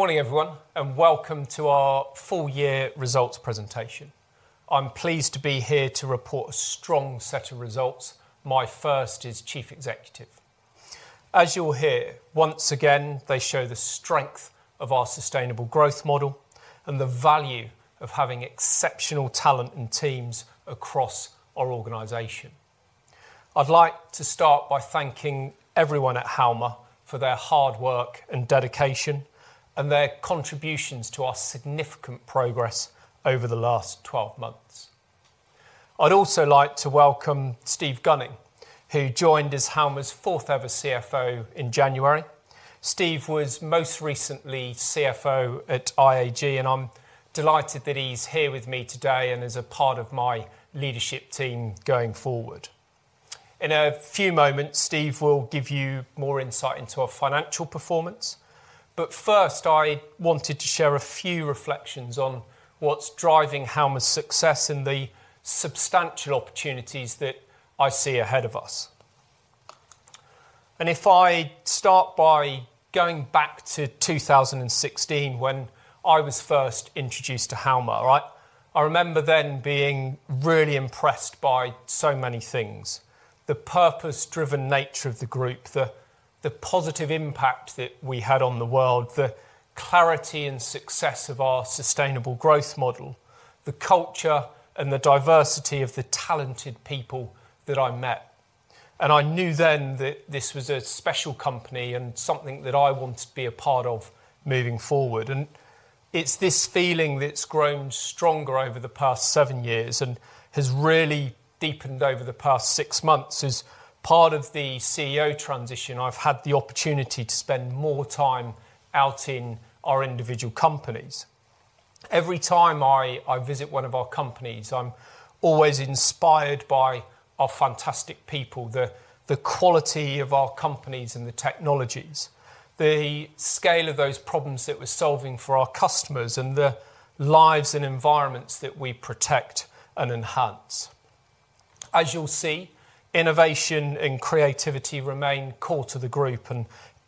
Morning, everyone, welcome to our full year results presentation. I'm pleased to be here to report a strong set of results, my first as Chief Executive. As you'll hear, once again, they show the strength of our sustainable growth model and the value of having exceptional talent and teams across our organization. I'd like to start by thanking everyone at Halma for their hard work and dedication, and their contributions to our significant progress over the last 12 months. I'd also like to welcome Steve Gunning, who joined as Halma's fourth-ever CFO in January. Steve was most recently CFO at IAG, and I'm delighted that he's here with me today and is a part of my leadership team going forward. In a few moments, Steve will give you more insight into our financial performance. First, I wanted to share a few reflections on what's driving Halma's success and the substantial opportunities that I see ahead of us. If I start by going back to 2016, when I was first introduced to Halma, right? I remember then being really impressed by so many things: the purpose-driven nature of the group, the positive impact that we had on the world, the clarity and success of our sustainable growth model, the culture and the diversity of the talented people that I met. I knew then that this was a special company and something that I wanted to be a part of moving forward. It's this feeling that's grown stronger over the past seven years and has really deepened over the past six months. As part of the CEO transition, I've had the opportunity to spend more time out in our individual companies. Every time I visit one of our companies, I'm always inspired by our fantastic people, the quality of our companies and the technologies, the scale of those problems that we're solving for our customers, and the lives and environments that we protect and enhance. As you'll see, innovation and creativity remain core to the Group,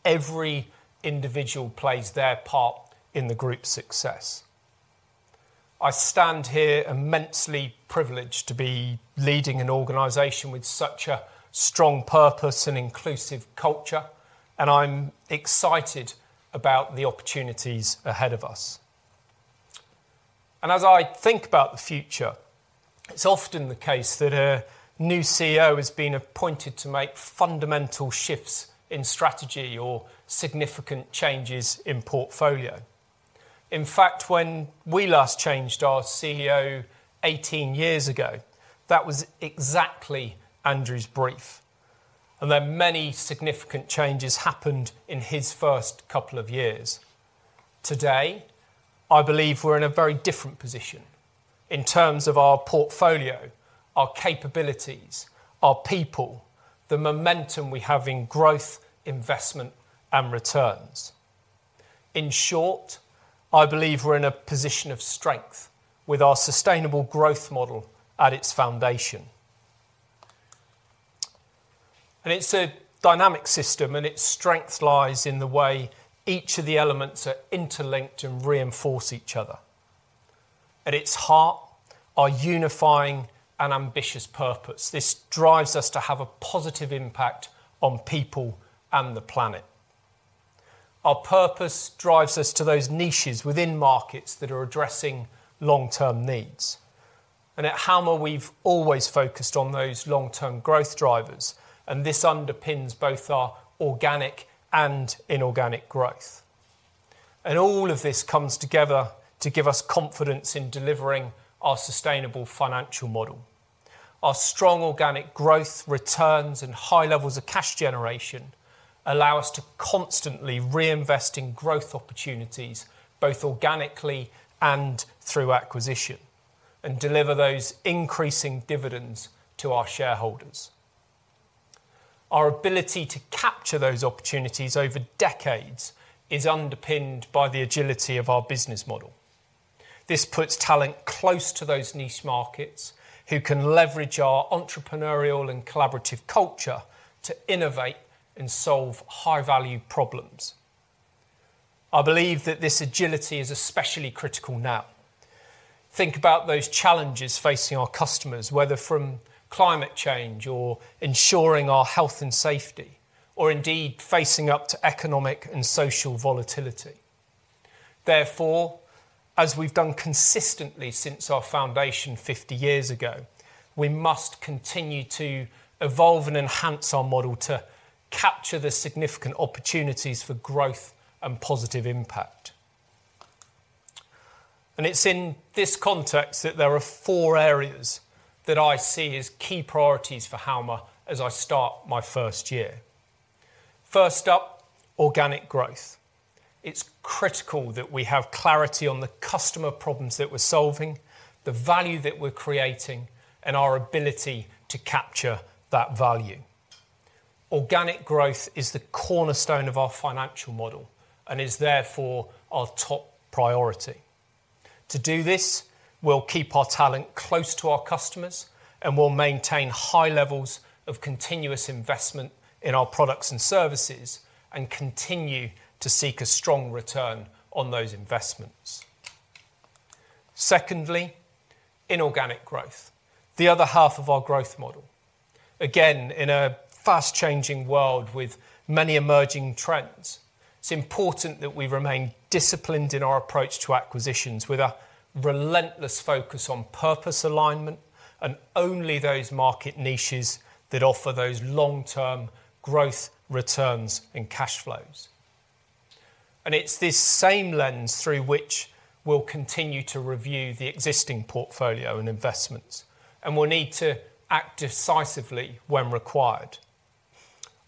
every individual plays their part in the Group's success. I stand here immensely privileged to be leading an organization with such a strong purpose and inclusive culture, I'm excited about the opportunities ahead of us. As I think about the future, it's often the case that a new CEO has been appointed to make fundamental shifts in strategy or significant changes in portfolio. In fact, when we last changed our CEO 18 years ago, that was exactly Andrew's brief, and there are many significant changes happened in his first couple of years. Today, I believe we're in a very different position in terms of our portfolio, our capabilities, our people, the momentum we have in growth, investment, and returns. In short, I believe we're in a position of strength with our sustainable growth model at its foundation. It's a dynamic system, and its strength lies in the way each of the elements are interlinked and reinforce each other. At its heart, our unifying and ambitious purpose. This drives us to have a positive impact on people and the planet. Our purpose drives us to those niches within markets that are addressing long-term needs. At Halma, we've always focused on those long-term growth drivers, and this underpins both our organic and inorganic growth. All of this comes together to give us confidence in delivering our sustainable financial model. Our strong organic growth returns and high levels of cash generation allow us to constantly reinvest in growth opportunities, both organically and through acquisition, and deliver those increasing dividends to our shareholders. Our ability to capture those opportunities over decades is underpinned by the agility of our business model. This puts talent close to those niche markets, who can leverage our entrepreneurial and collaborative culture to innovate and solve high-value problems. I believe that this agility is especially critical now. Think about those challenges facing our customers, whether from climate change or ensuring our health and safety, or indeed facing up to economic and social volatility. As we've done consistently since our foundation 50 years ago, we must continue to evolve and enhance our model to capture the significant opportunities for growth and positive impact. It's in this context that there are four areas that I see as key priorities for Halma as I start my first year. First up, organic growth. It's critical that we have clarity on the customer problems that we're solving, the value that we're creating, and our ability to capture that value. Organic growth is the cornerstone of our financial model and is therefore our top priority. To do this, we'll keep our talent close to our customers, and we'll maintain high levels of continuous investment in our products and services, and continue to seek a strong return on those investments. Secondly, inorganic growth, the other half of our growth model. In a fast-changing world with many emerging trends, it's important that we remain disciplined in our approach to acquisitions, with a relentless focus on purpose alignment and only those market niches that offer those long-term growth returns and cash flows. It's this same lens through which we'll continue to review the existing portfolio and investments, and we'll need to act decisively when required.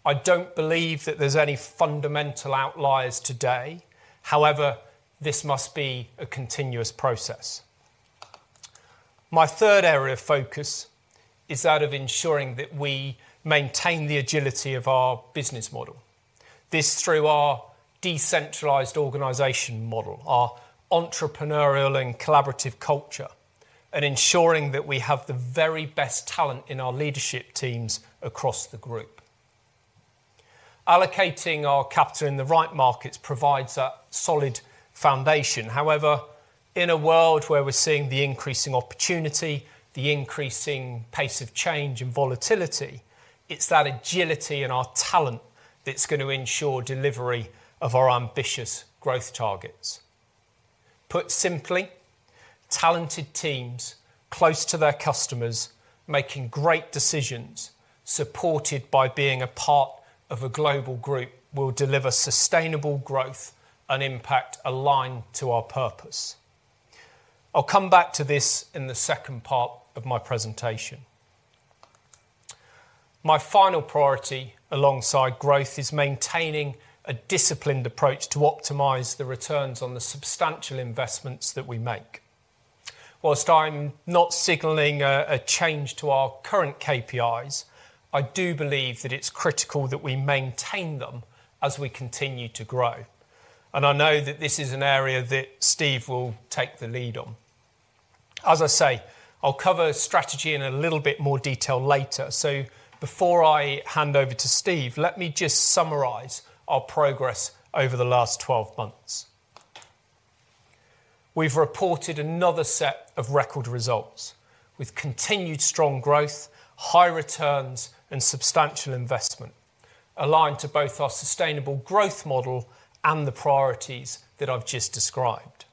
I don't believe that there's any fundamental outliers today, however, this must be a continuous process. My third area of focus is that of ensuring that we maintain the agility of our business model. This, through our decentralized organization model, our entrepreneurial and collaborative culture, and ensuring that we have the very best talent in our leadership teams across the group. Allocating our capital in the right markets provides a solid foundation. In a world where we're seeing the increasing opportunity, the increasing pace of change and volatility, it's that agility and our talent that's gonna ensure delivery of our ambitious growth targets. Put simply, talented teams close to their customers, making great decisions, supported by being a part of a global group, will deliver sustainable growth and impact aligned to our purpose. I'll come back to this in the second part of my presentation. My final priority, alongside growth, is maintaining a disciplined approach to optimize the returns on the substantial investments that we make. While I'm not signaling a change to our current KPIs, I do believe that it's critical that we maintain them as we continue to grow, and I know that this is an area that Steve will take the lead on. As I say, I'll cover strategy in a little bit more detail later. Before I hand over to Steve, let me just summarize our progress over the last 12 months. We've reported another set of record results, with continued strong growth, high returns, and substantial investment, aligned to both our sustainable growth model and the priorities that I've just described.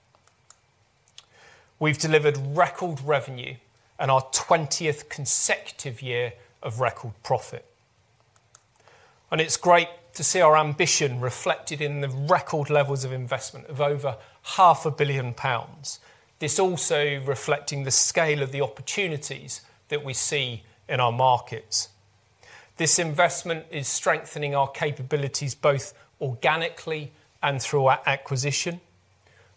We've delivered record revenue and our 20th consecutive year of record profit. It's great to see our ambition reflected in the record levels of investment of over 500 million pounds. This also reflecting the scale of the opportunities that we see in our markets. This investment is strengthening our capabilities, both organically and through our acquisition.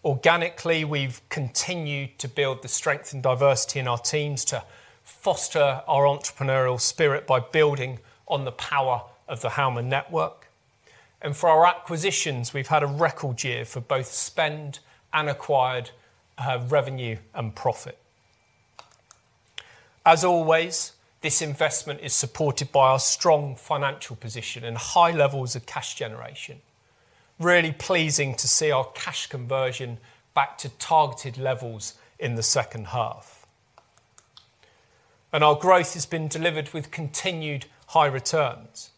Organically, we've continued to build the strength and diversity in our teams to foster our entrepreneurial spirit by building on the power of the Halma Network. For our acquisitions, we've had a record year for both spend and acquired revenue and profit. As always, this investment is supported by our strong financial position and high levels of cash generation. Really pleasing to see our cash conversion back to targeted levels in the second half. Our growth has been delivered with continued high returns.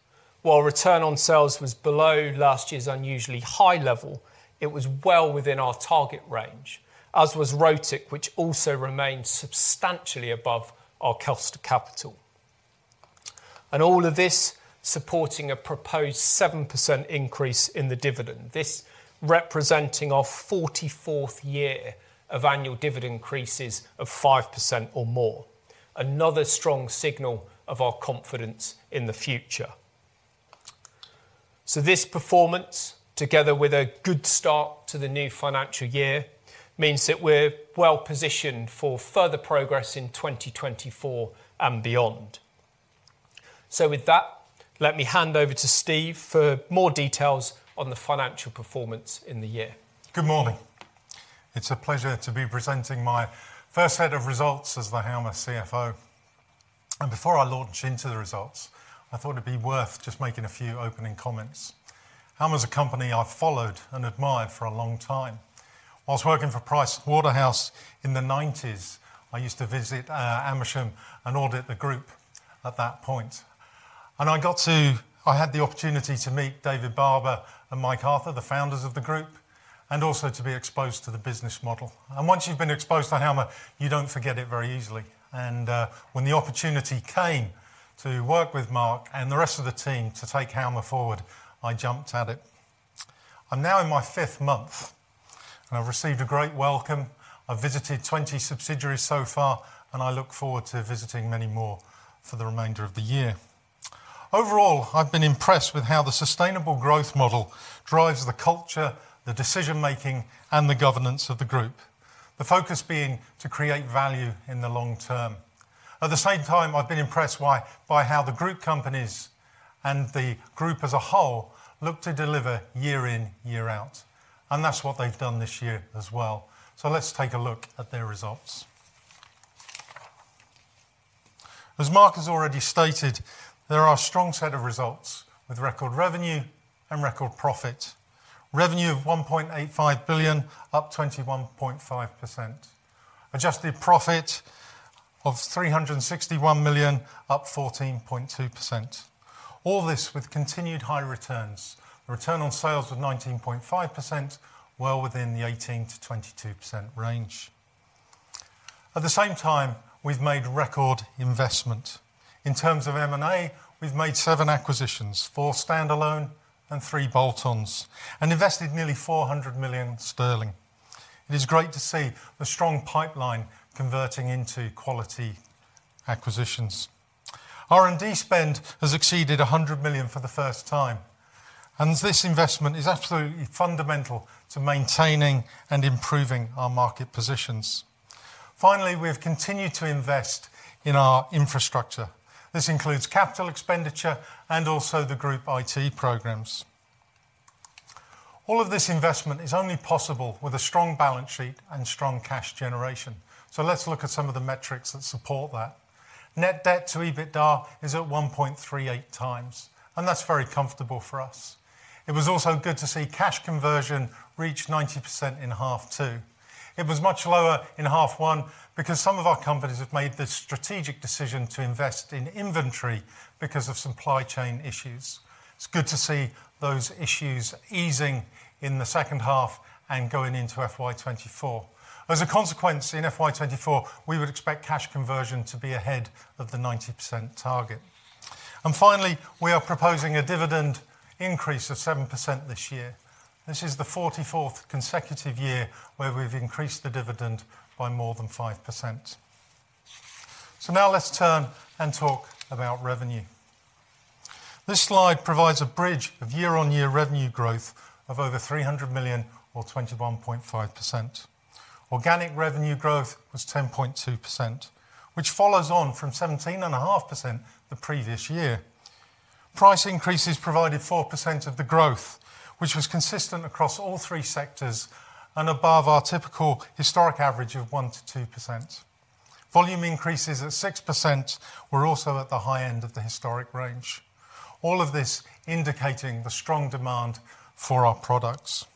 While return on sales was below last year's unusually high level, it was well within our target range, as was ROTIC, which also remained substantially above our cost of capital. All of this supporting a proposed 7% increase in the dividend. This representing our 44th year of annual dividend increases of 5% or more, another strong signal of our confidence in the future. This performance, together with a good start to the new financial year, means that we're well-positioned for further progress in 2024 and beyond. With that, let me hand over to Steve for more details on the financial performance in the year. Good morning. It's a pleasure to be presenting my first set of results as the Halma CFO. Before I launch into the results, I thought it'd be worth just making a few opening comments. Halma is a company I've followed and admired for a long time. Whilst working for Price Waterhouse in the 1990s, I used to visit Amersham and audit the group at that point. I had the opportunity to meet David Barber and Mike Arthur, the founders of the group, and also to be exposed to the business model. Once you've been exposed to Halma, you don't forget it very easily. When the opportunity came to work with Marc and the rest of the team to take Halma forward, I jumped at it. I'm now in my fifth month, and I've received a great welcome. I've visited 20 subsidiaries so far, and I look forward to visiting many more for the remainder of the year. Overall, I've been impressed with how the sustainable growth model drives the culture, the decision-making, and the governance of the group. The focus being to create value in the long term. At the same time, I've been impressed by how the group companies and the group as a whole look to deliver year in, year out, and that's what they've done this year as well. Let's take a look at their results. As Marc has already stated, there are a strong set of results, with record revenue and record profit. Revenue of 1.85 billion, up 21.5%. Adjusted profit of 361 million, up 14.2%. All this with continued high returns. The return on sales was 19.5%, well within the 18%-22% range. At the same time, we've made record investment. In terms of M&A, we've made seven acquisitions, four standalone and three bolt-ons, and invested nearly 400 million sterling. It is great to see the strong pipeline converting into quality acquisitions. R&D spend has exceeded 100 million for the first time, and this investment is absolutely fundamental to maintaining and improving our market positions. Finally, we have continued to invest in our infrastructure. This includes capital expenditure and also the group IT programs. All of this investment is only possible with a strong balance sheet and strong cash generation. Let's look at some of the metrics that support that. Net debt to EBITDA is at 1.38x, and that's very comfortable for us. It was also good to see cash conversion reach 90% in half two. It was much lower in half one because some of our companies have made the strategic decision to invest in inventory because of supply chain issues. It's good to see those issues easing in the second half and going into FY 2024. In FY 2024, we would expect cash conversion to be ahead of the 90% target. Finally, we are proposing a dividend increase of 7% this year. This is the 44th consecutive year where we've increased the dividend by more than 5%. Now let's turn and talk about revenue. This slide provides a bridge of year-on-year revenue growth of over 300 million or 21.5%. Organic revenue growth was 10.2%, which follows on from 17.5% the previous year. Price increases provided 4% of the growth, which was consistent across all three sectors and above our typical historic average of 1%-2%. Volume increases at 6% were also at the high end of the historic range. All of this indicating the strong demand for our products.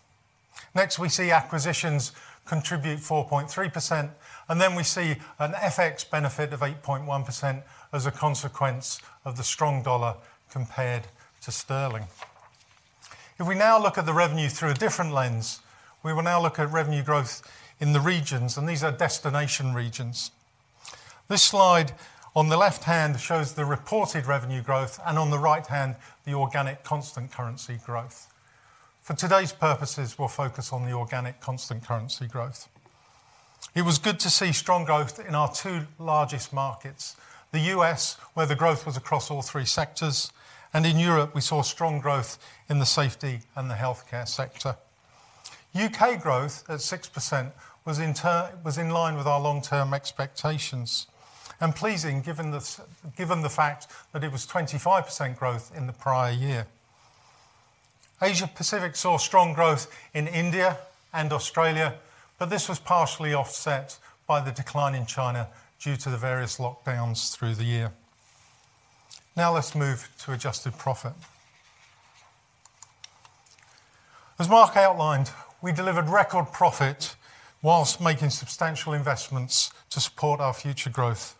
Next, we see acquisitions contribute 4.3%, and then we see an FX benefit of 8.1% as a consequence of the strong dollar compared to sterling. If we now look at the revenue through a different lens, we will now look at revenue growth in the regions, and these are destination regions. This slide, on the left hand, shows the reported revenue growth, and on the right hand, the organic constant currency growth. For today's purposes, we'll focus on the organic constant currency growth. It was good to see strong growth in our two largest markets, the U.S., where the growth was across all three sectors, and in Europe, we saw strong growth in the safety and the Healthcare Sector. U.K. growth, at 6%, was in line with our long-term expectations, and pleasing given the fact that it was 25% growth in the prior year. Asia Pacific saw strong growth in India and Australia, this was partially offset by the decline in China due to the various lockdowns through the year. Let's move to adjusted profit. As Marc outlined, we delivered record profit whilst making substantial investments to support our future growth.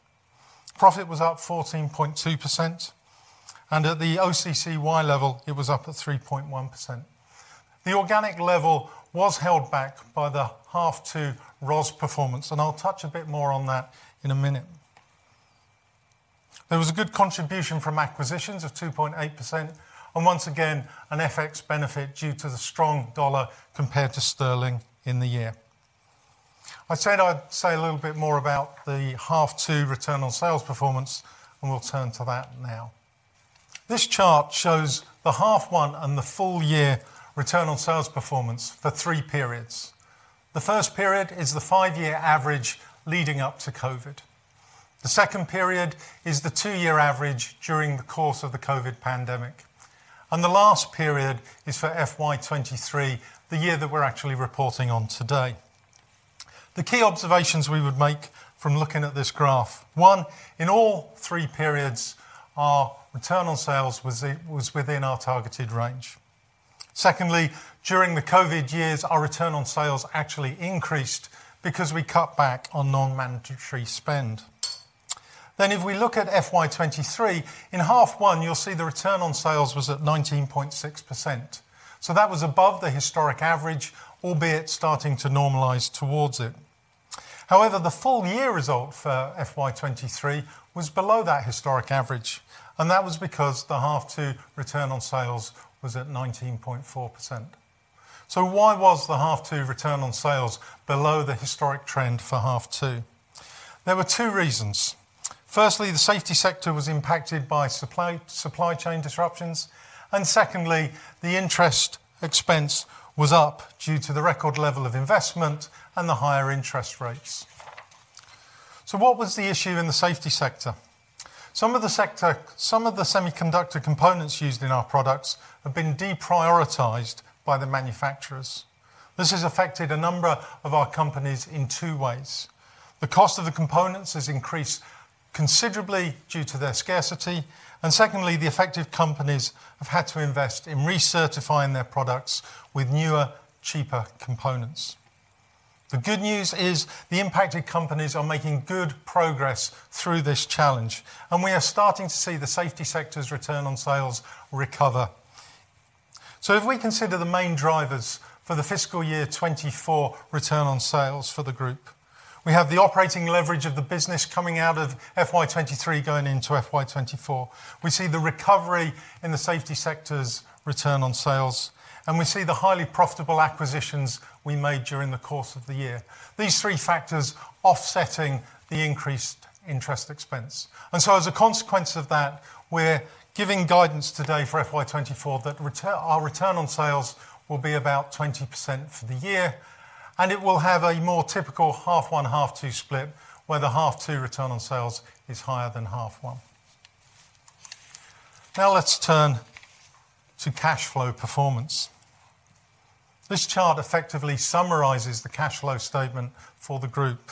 Profit was up 14.2%, at the OCCY level, it was up at 3.1%. The organic level was held back by the half two ROS performance. I'll touch a bit more on that in a minute. There was a good contribution from acquisitions of 2.8%. Once again, an FX benefit due to the strong dollar compared to sterling in the year. I said I'd say a little bit more about the half two return on sales performance. We'll turn to that now. This chart shows the half one and the full year return on sales performance for three periods. The first period is the five-year average leading up to COVID. The second period is the two-year average during the course of the COVID pandemic. The last period is for FY 2023, the year that we're actually reporting on today. The key observations we would make from looking at this graph: One, in all three periods, our return on sales was within our targeted range. Secondly, during the COVID years, our return on sales actually increased because we cut back on non-mandatory spend. If we look at FY 2023, in half one, you'll see the return on sales was at 19.6%. That was above the historic average, albeit starting to normalize towards it. However, the full year result for FY 2023 was below that historic average, and that was because the half two return on sales was at 19.4%. Why was the half two return on sales below the historic trend for half two? There were two reasons. Firstly, the Safety Sector was impacted by supply chain disruptions, and secondly, the interest expense was up due to the record level of investment and the higher interest rates. What was the issue in the Safety Sector? Some of the semiconductor components used in our products have been deprioritized by the manufacturers. This has affected a number of our companies in two ways: The cost of the components has increased considerably due to their scarcity, and secondly, the affected companies have had to invest in recertifying their products with newer, cheaper components. The good news is the impacted companies are making good progress through this challenge, and we are starting to see the Safety Sector's return on sales recover. If we consider the main drivers for the fiscal year 2024 return on sales for the group, we have the operating leverage of the business coming out of FY 2023, going into FY 2024. We see the recovery in the Safety Sector's return on sales, and we see the highly profitable acquisitions we made during the course of the year. These three factors offsetting the increased interest expense. As a consequence of that, we're giving guidance today for FY 2024, that our return on sales will be about 20% for the year, and it will have a more typical half one, half two split, where the half two return on sales is higher than half one. Let's turn to cash flow performance. This chart effectively summarizes the cash flow statement for the group,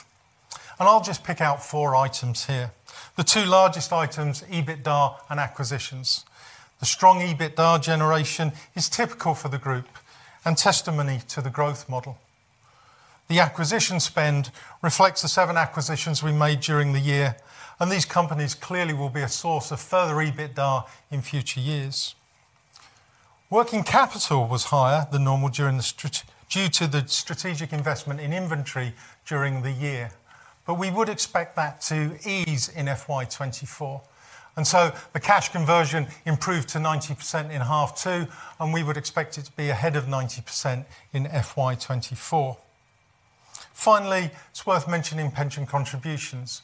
and I'll just pick out four items here. The two largest items, EBITDA and acquisitions. The strong EBITDA generation is typical for the group and testimony to the growth model. The acquisition spend reflects the seven acquisitions we made during the year, and these companies clearly will be a source of further EBITDA in future years. Working capital was higher than normal due to the strategic investment in inventory during the year, but we would expect that to ease in FY 2024. The cash conversion improved to 90% in half two, and we would expect it to be ahead of 90% in FY 2024. Finally, it's worth mentioning pension contributions.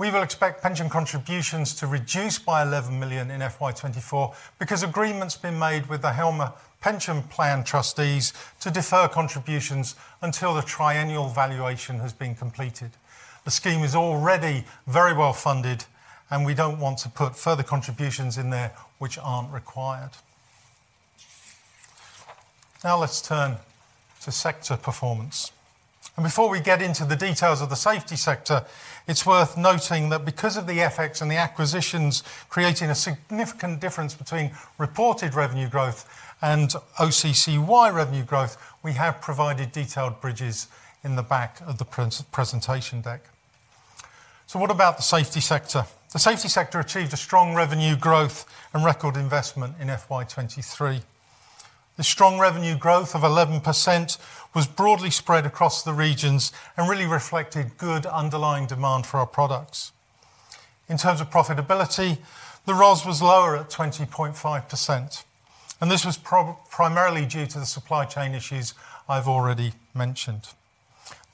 We will expect pension contributions to reduce by 11 million in FY 2024 because agreement's been made with the Halma Group Pension Plan trustees to defer contributions until the triennial valuation has been completed. The scheme is already very well funded, we don't want to put further contributions in there which aren't required. Now, let's turn to sector performance. Before we get into the details of the Safety Sector, it's worth noting that because of the FX and the acquisitions creating a significant difference between reported revenue growth and OCCY revenue growth, we have provided detailed bridges in the back of the presentation deck. What about the Safety Sector? The Safety Sector achieved a strong revenue growth and record investment in FY 2023. The strong revenue growth of 11% was broadly spread across the regions and really reflected good underlying demand for our products. In terms of profitability, the ROS was lower at 20.5%, and this was primarily due to the supply chain issues I've already mentioned.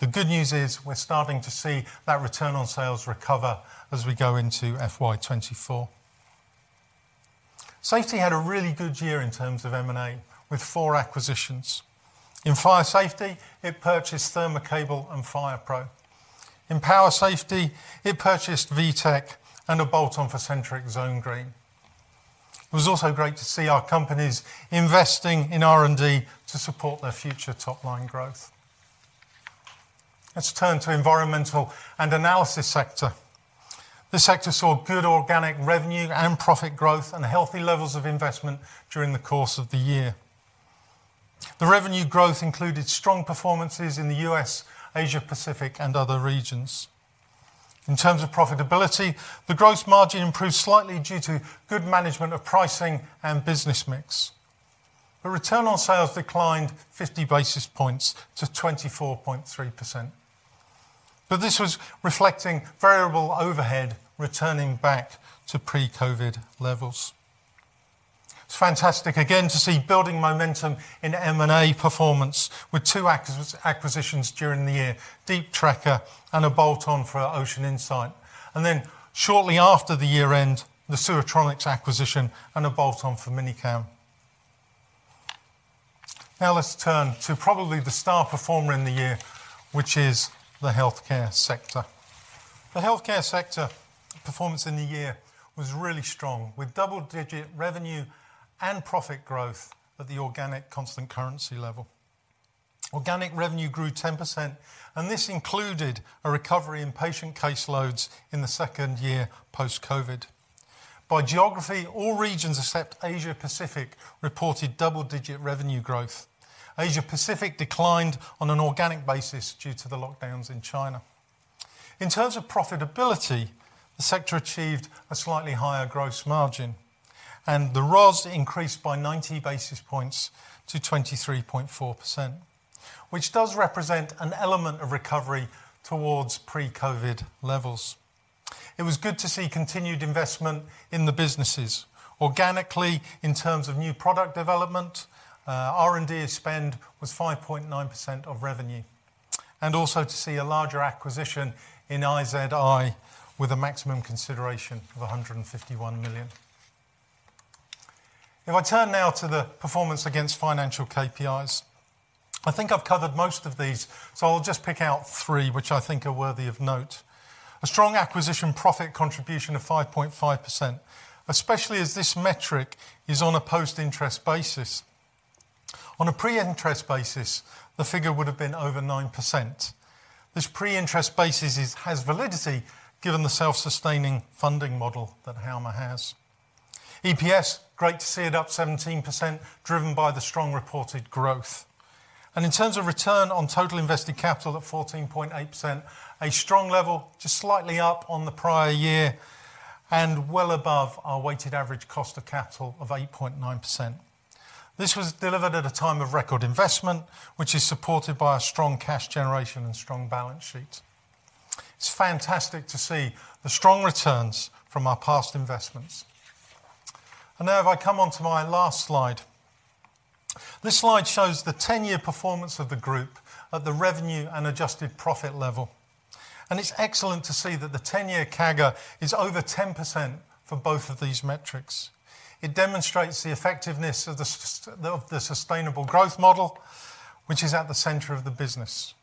The good news is we're starting to see that return on sales recover as we go into FY 2024. Safety had a really good year in terms of M&A, with four acquisitions. In fire safety, it purchased Thermocable and FirePro. In power safety, it purchased WEETECH and a bolt-on for Sentric, Zonegreen. It was also great to see our companies investing in R&D to support their future top-line growth. Let's turn to Environmental & Analysis Sector. The sector saw good organic revenue and profit growth and healthy levels of investment during the course of the year. The revenue growth included strong performances in the U.S., Asia Pacific, and other regions. In terms of profitability, the gross margin improved slightly due to good management of pricing and business mix. The return on sales declined 50 basis points to 24.3%. This was reflecting variable overhead, returning back to pre-COVID levels. It's fantastic, again, to see building momentum in M&A performance with two acquisitions during the year, Deep Trekker and a bolt-on for our Ocean Insight. Shortly after the year end, the Sewertronics acquisition and a bolt-on for Minicam. Let's turn to probably the star performer in the year, which is the Healthcare Sector. The Healthcare Sector performance in the year was really strong, with double-digit revenue and profit growth at the organic constant currency level. Organic revenue grew 10%. This included a recovery in patient caseloads in the second year post-COVID. By geography, all regions, except Asia Pacific, reported double-digit revenue growth. Asia Pacific declined on an organic basis due to the lockdowns in China. In terms of profitability, the sector achieved a slightly higher gross margin, and the ROS increased by 90 basis points to 23.4%, which does represent an element of recovery towards pre-COVID levels. It was good to see continued investment in the businesses. Organically, in terms of new product development, R&D spend was 5.9% of revenue, and also to see a larger acquisition in IZI with a maximum consideration of 151 million. I turn now to the performance against financial KPIs, I think I've covered most of these, so I'll just pick out three, which I think are worthy of note. A strong acquisition profit contribution of 5.5%, especially as this metric is on a post-interest basis. On a pre-interest basis, the figure would have been over 9%. This pre-interest basis has validity given the self-sustaining funding model that Halma has. EPS, great to see it up 17%, driven by the strong reported growth. In terms of return on total invested capital at 14.8%, a strong level, just slightly up on the prior year, and well above our weighted average cost of capital of 8.9%. This was delivered at a time of record investment, which is supported by a strong cash generation and strong balance sheet. It's fantastic to see the strong returns from our past investments. Now, if I come on to my last slide. This slide shows the 10-year performance of the group at the revenue and adjusted profit level, and it's excellent to see that the 10-year CAGR is over 10% for both of these metrics. It demonstrates the effectiveness of the sustainable growth model, which is at the center of the business.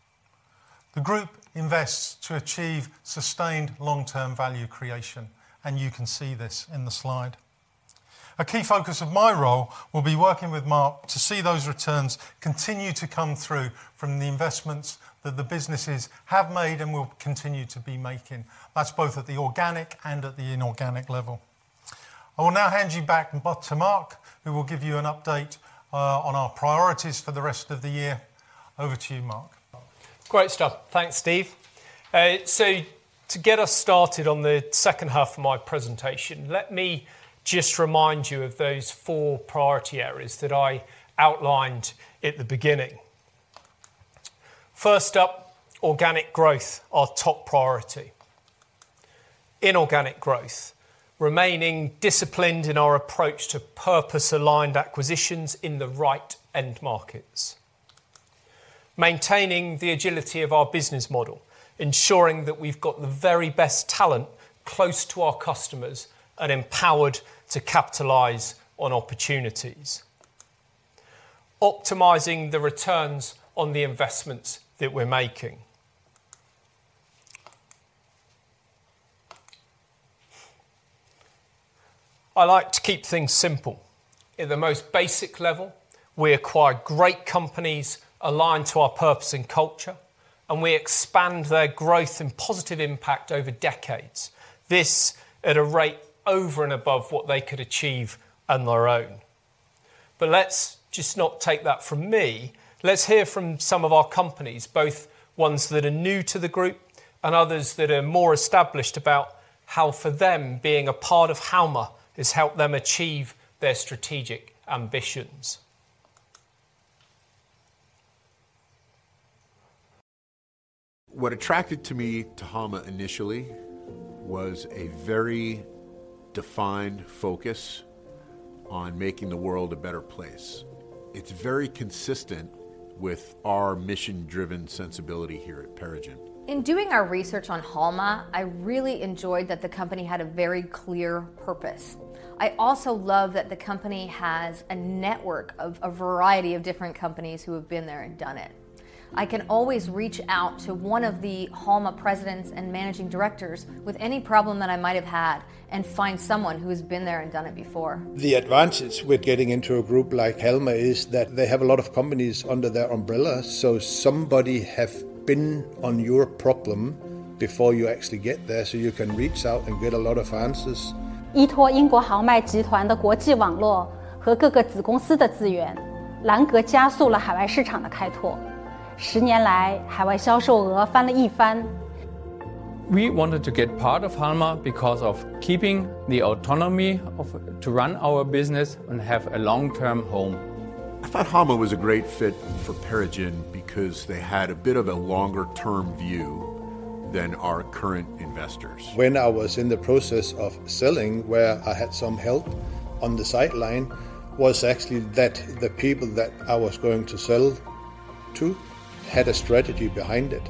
The group invests to achieve sustained long-term value creation, and you can see this in the slide. A key focus of my role will be working with Marc to see those returns continue to come through from the investments that the businesses have made and will continue to be making. That's both at the organic and at the inorganic level. I will now hand you back to Marc, who will give you an update on our priorities for the rest of the year. Over to you, Marc. Great stuff. Thanks, Steve. To get us started on the second half of my presentation, let me just remind you of those four priority areas that I outlined at the beginning. First up, organic growth, our top priority. Inorganic growth, remaining disciplined in our approach to purpose-aligned acquisitions in the right end markets. Maintaining the agility of our business model, ensuring that we've got the very best talent close to our customers and empowered to capitalize on opportunities. Optimizing the returns on the investments that we're making. I like to keep things simple. In the most basic level, we acquire great companies aligned to our purpose and culture, and we expand their growth and positive impact over decades. This at a rate over and above what they could achieve on their own. Let's just not take that from me. Let's hear from some of our companies, both ones that are new to the group and others that are more established, about how, for them, being a part of Halma has helped them achieve their strategic ambitions. What attracted to me to Halma initially was a very defined focus on making the world a better place. It's very consistent with our mission-driven sensibility here at PeriGen. In doing our research on Halma, I really enjoyed that the company had a very clear purpose. I also love that the company has a network of a variety of different companies who have been there and done it. I can always reach out to one of the Halma presidents and managing directors with any problem that I might have had and find someone who has been there and done it before. The advantage with getting into a group like Halma is that they have a lot of companies under their umbrella, so somebody have been on your problem before you actually get there, so you can reach out and get a lot of answers. We wanted to get part of Halma because of keeping the autonomy to run our business and have a long-term home. I thought Halma was a great fit for PeriGen because they had a bit of a longer term view than our current investors. When I was in the process of selling, where I had some help on the sideline, was actually that the people that I was going to sell to had a strategy behind it.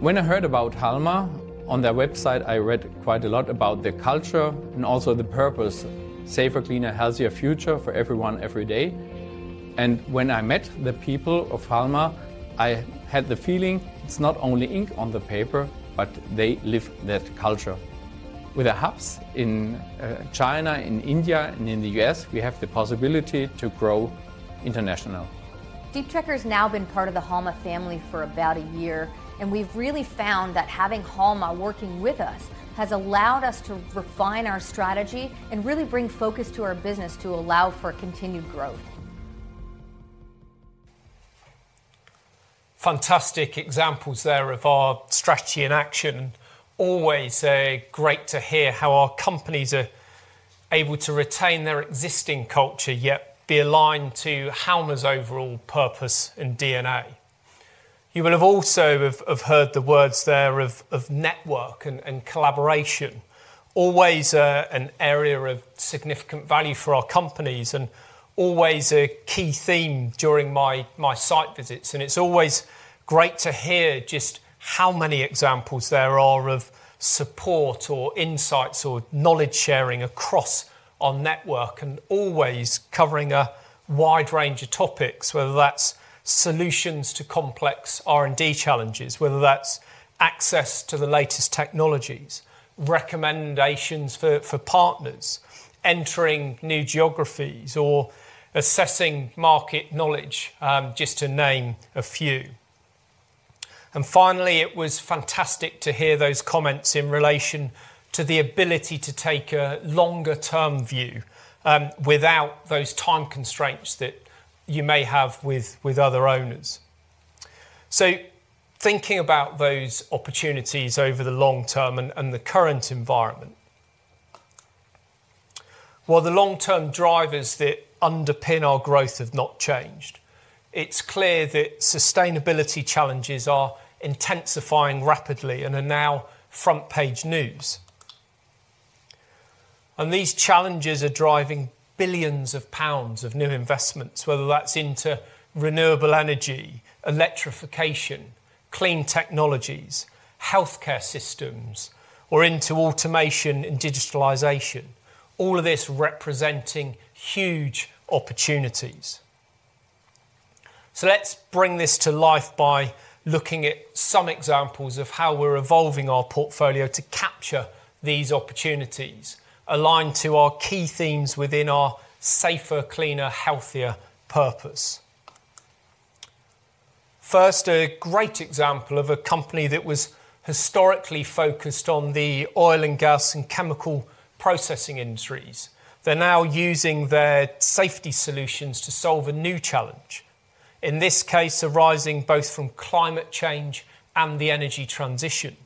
When I heard about Halma, on their website, I read quite a lot about the culture and also the purpose: safer, cleaner, healthier future for everyone, every day. When I met the people of Halma, I had the feeling it's not only ink on the paper, but they live that culture. With the hubs in, China, in India, and in the U.S., we have the possibility to grow international. Deep Trekker has now been part of the Halma family for about a year, and we've really found that having Halma working with us has allowed us to refine our strategy and really bring focus to our business to allow for continued growth. Fantastic examples there of our strategy in action. Always, great to hear how our companies are able to retain their existing culture, yet be aligned to Halma's overall purpose and DNA. You will have also heard the words there of Network and collaboration. Always, an area of significant value for our companies, and always a key theme during my site visits. It's always great to hear just how many examples there are of support or insights or knowledge sharing across our Network, and always covering a wide range of topics. Whether that's solutions to complex R&D challenges, whether that's access to the latest technologies, recommendations for partners, entering new geographies, or assessing market knowledge, just to name a few. Finally, it was fantastic to hear those comments in relation to the ability to take a longer-term view, without those time constraints that you may have with other owners. Thinking about those opportunities over the long term and the current environment. Well, the long-term drivers that underpin our growth have not changed. It's clear that sustainability challenges are intensifying rapidly and are now front-page news. These challenges are driving billions of pounds of new investments, whether that's into renewable energy, electrification, clean technologies, healthcare systems, or into automation and digitalization. All of this representing huge opportunities. Let's bring this to life by looking at some examples of how we're evolving our portfolio to capture these opportunities aligned to our key themes within our Safer, Cleaner, Healthier Purpose. First, a great example of a company that was historically focused on the oil and gas and chemical processing industries. They're now using their safety solutions to solve a new challenge, in this case, arising both from climate change and the energy transition.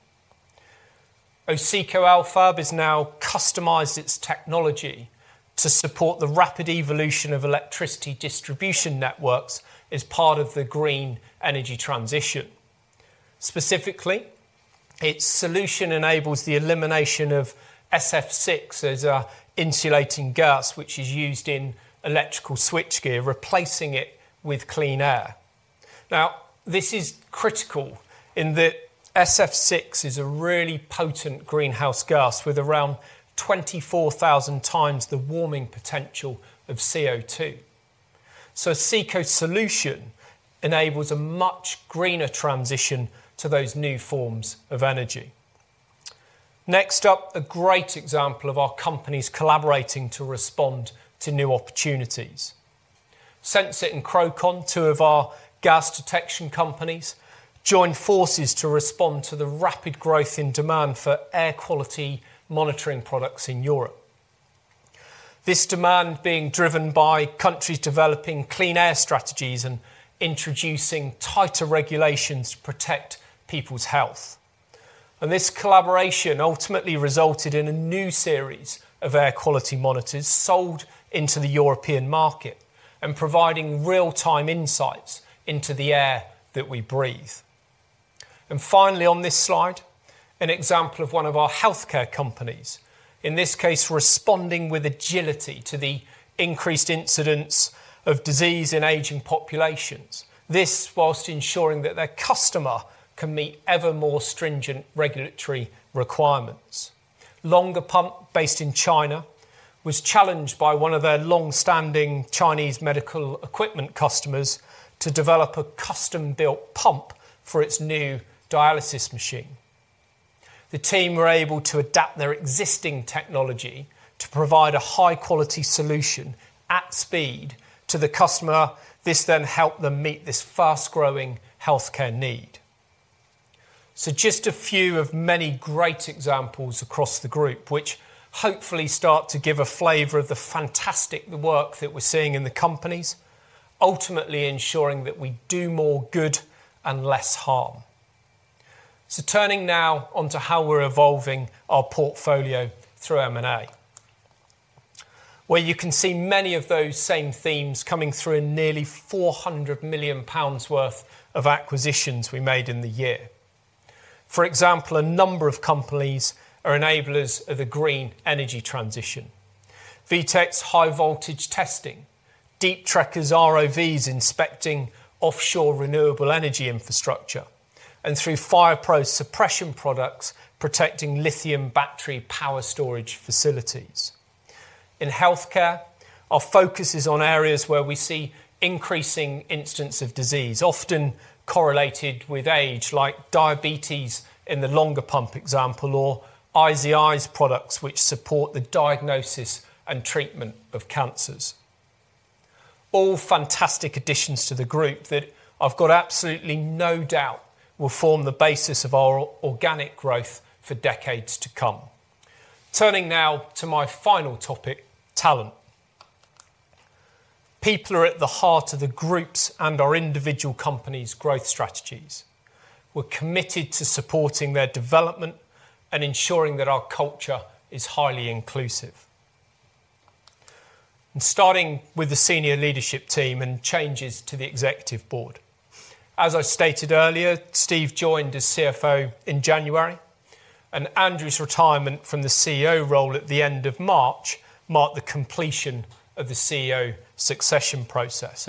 OsecoElfab has now customized its technology to support the rapid evolution of electricity distribution networks as part of the green energy transition. Specifically, its solution enables the elimination of SF6 as a insulating gas, which is used in electrical switchgear, replacing it with clean air. Now, this is critical in that SF6 is a really potent greenhouse gas, with around 24,000 times the warming potential of CO2. Oseco's solution enables a much greener transition to those new forms of energy. Next up, a great example of our companies collaborating to respond to new opportunities. Sensit and Crowcon, two of our gas detection companies, joined forces to respond to the rapid growth in demand for air quality monitoring products in Europe. This demand being driven by countries developing clean air strategies and introducing tighter regulations to protect people's health. This collaboration ultimately resulted in a new series of air quality monitors sold into the European market and providing real-time insights into the air that we breathe. Finally, on this slide, an example of one of our healthcare companies, in this case, responding with agility to the increased incidence of disease in aging populations. This whilst ensuring that their customer can meet ever more stringent regulatory requirements. Longer Pump, based in China, was challenged by one of their long-standing Chinese medical equipment customers to develop a custom-built pump for its new dialysis machine. The team were able to adapt their existing technology to provide a high-quality solution at speed to the customer. This then helped them meet this fast-growing healthcare need. Just a few of many great examples across the group, which hopefully start to give a flavor of the fantastic work that we're seeing in the companies, ultimately ensuring that we do more good and less harm. Turning now on to how we're evolving our portfolio through M&A, where you can see many of those same themes coming through in nearly 400 million pounds worth of acquisitions we made in the year. For example, a number of companies are enablers of the green energy transition. WEETECH's high voltage testing, Deep Trekker's ROVs inspecting offshore renewable energy infrastructure, and through FirePro's suppression products, protecting lithium battery power storage facilities. In healthcare, our focus is on areas where we see increasing instances of disease, often correlated with age, like diabetes in the Longer Pump example, or IZI's products, which support the diagnosis and treatment of cancers. All fantastic additions to the group that I've got absolutely no doubt will form the basis of our organic growth for decades to come. Turning now to my final topic: talent. People are at the heart of the group's and our individual companies' growth strategies. We're committed to supporting their development and ensuring that our culture is highly inclusive. Starting with the senior leadership team and changes to the executive board. As I stated earlier, Steve joined as CFO in January, and Andrew's retirement from the CEO role at the end of March marked the completion of the CEO succession process.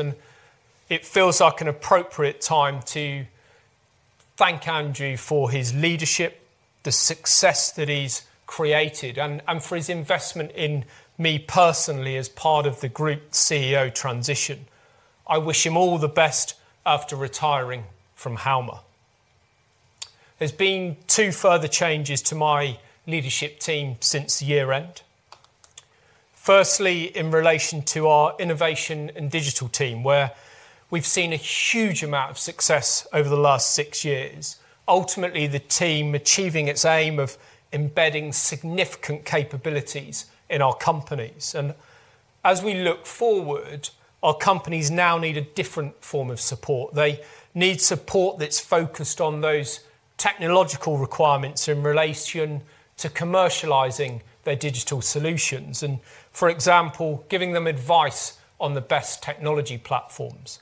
It feels like an appropriate time to thank Andrew for his leadership, the success that he's created, and for his investment in me personally, as part of the group CEO transition. I wish him all the best after retiring from Halma. There's been two further changes to my leadership team since year-end. Firstly, in relation to our Innovation & Digital team, where we've seen a huge amount of success over the last six years. Ultimately, the team achieving its aim of embedding significant capabilities in our companies. As we look forward, our companies now need a different form of support. They need support that's focused on those technological requirements in relation to commercializing their digital solutions, and, for example, giving them advice on the best technology platforms.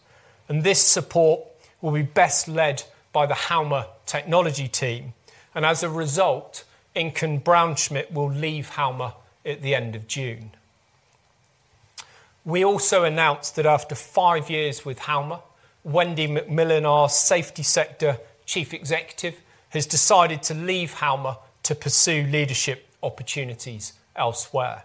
This support will be best led by the Halma technology team, and as a result, Inken Braunschmidt will leave Halma at the end of June. We also announced that after five years with Halma, Wendy McMillan, our Safety Sector Chief Executive, has decided to leave Halma to pursue leadership opportunities elsewhere.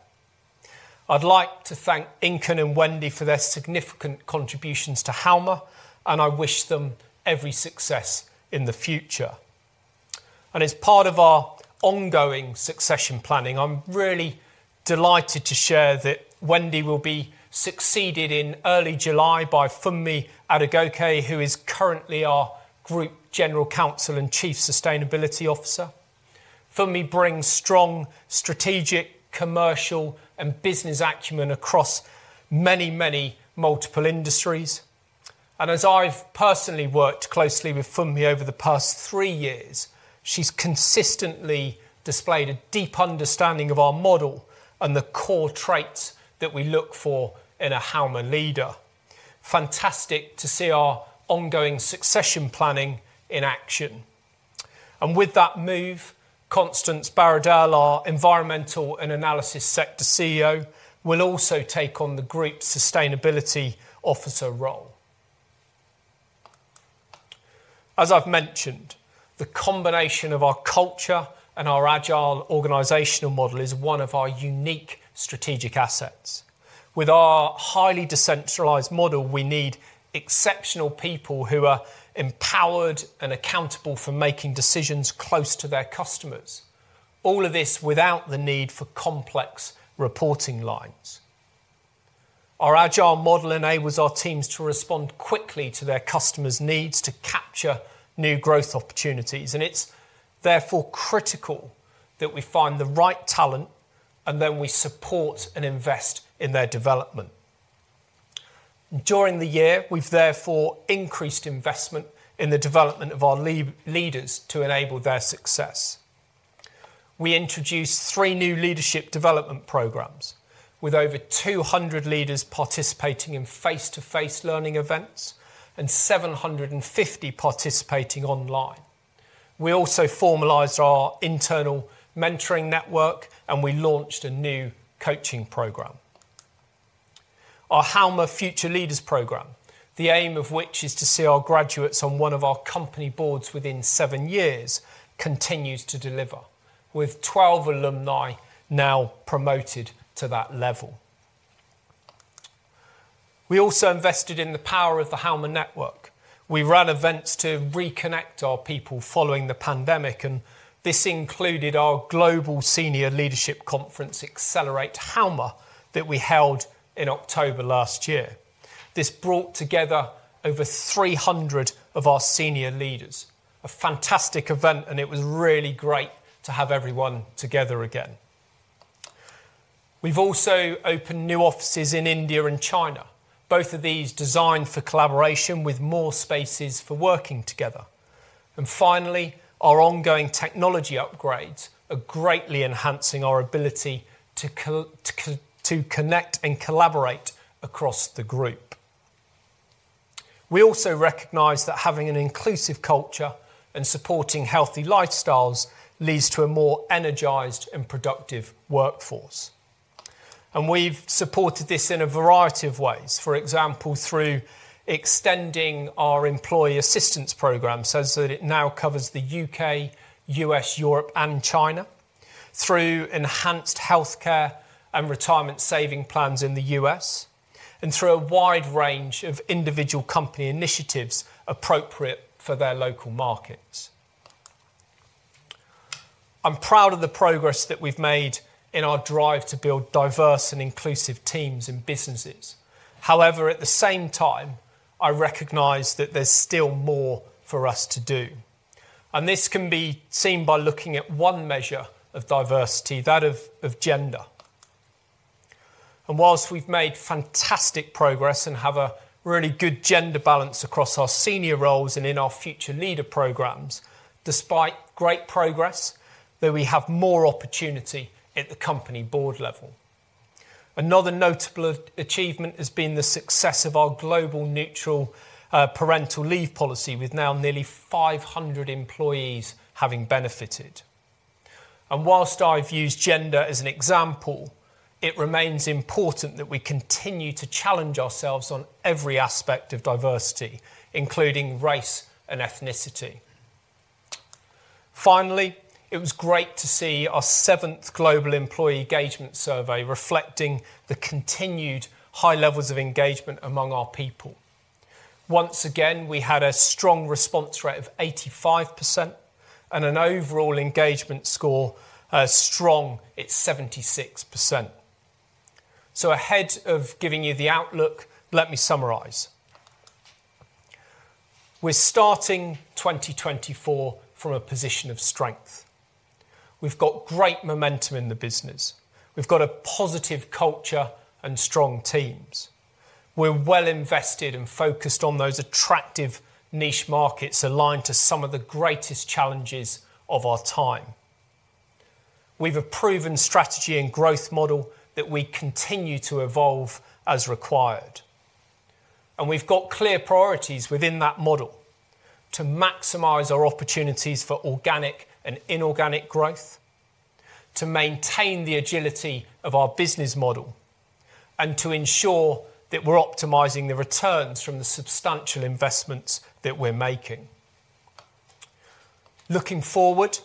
I'd like to thank Inken and Wendy for their significant contributions to Halma, and I wish them every success in the future. As part of our ongoing succession planning, I'm really delighted to share that Wendy will be succeeded in early July by Funmi Adegoke, who is currently our Group General Counsel and Chief Sustainability Officer. Funmi brings strong strategic, commercial, and business acumen across many multiple industries. As I've personally worked closely with Funmi over the past 3 years, she's consistently displayed a deep understanding of our model and the core traits that we look for in a Halma leader. Fantastic to see our ongoing succession planning in action. With that move, Constance Baroudel, our Environmental & Analysis Sector CEO, will also take on the Group Sustainability Officer role. As I've mentioned, the combination of our culture and our agile organizational model is one of our unique strategic assets. With our highly decentralized model, we need exceptional people who are empowered and accountable for making decisions close to their customers. All of this without the need for complex reporting lines. Our agile model enables our teams to respond quickly to their customers' needs to capture new growth opportunities, and it's therefore critical that we find the right talent, and then we support and invest in their development. During the year, we've therefore increased investment in the development of our leaders to enable their success. We introduced three new leadership development programs, with over 200 leaders participating in face-to-face learning events and 750 participating online. We also formalized our internal mentoring network, and we launched a new coaching program. Our Halma Future Leaders program, the aim of which is to see our graduates on one of our company boards within seven years, continues to deliver, with 12 alumni now promoted to that level. We also invested in the power of the Halma Network. We ran events to reconnect our people following the pandemic. This included our global senior leadership conference, Accelerate Halma, that we held in October last year. This brought together over 300 of our senior leaders. A fantastic event, and it was really great to have everyone together again. We've also opened new offices in India and China, both of these designed for collaboration with more spaces for working together. Finally, our ongoing technology upgrades are greatly enhancing our ability to connect and collaborate across the group. We also recognize that having an inclusive culture and supporting healthy lifestyles leads to a more energized and productive workforce. We've supported this in a variety of ways. For example, through extending our employee assistance program, so that it now covers the U.K., U.S., Europe, and China. Through enhanced healthcare and retirement saving plans in the U.S., and through a wide range of individual company initiatives appropriate for their local markets. I'm proud of the progress that we've made in our drive to build diverse and inclusive teams and businesses. However, at the same time, I recognize that there's still more for us to do, and this can be seen by looking at one measure of diversity, that of gender. Whilst we've made fantastic progress and have a really good gender balance across our senior roles and in our future leader programs, despite great progress, that we have more opportunity at the company board level. Another notable achievement has been the success of our global neutral parental leave policy, with now nearly 500 employees having benefited. Whilst I've used gender as an example, it remains important that we continue to challenge ourselves on every aspect of diversity, including race and ethnicity. Finally, it was great to see our seventh global employee engagement survey reflecting the continued high levels of engagement among our people. Once again, we had a strong response rate of 85% and an overall engagement score, strong at 76%. Ahead of giving you the outlook, let me summarize. We're starting 2024 from a position of strength. We've got great momentum in the business. We've got a positive culture and strong teams. We're well invested and focused on those attractive niche markets aligned to some of the greatest challenges of our time. We've a proven strategy and growth model that we continue to evolve as required. We've got clear priorities within that model to maximize our opportunities for organic and inorganic growth, to maintain the agility of our business model, and to ensure that we're optimizing the returns from the substantial investments that we're making. Looking forward,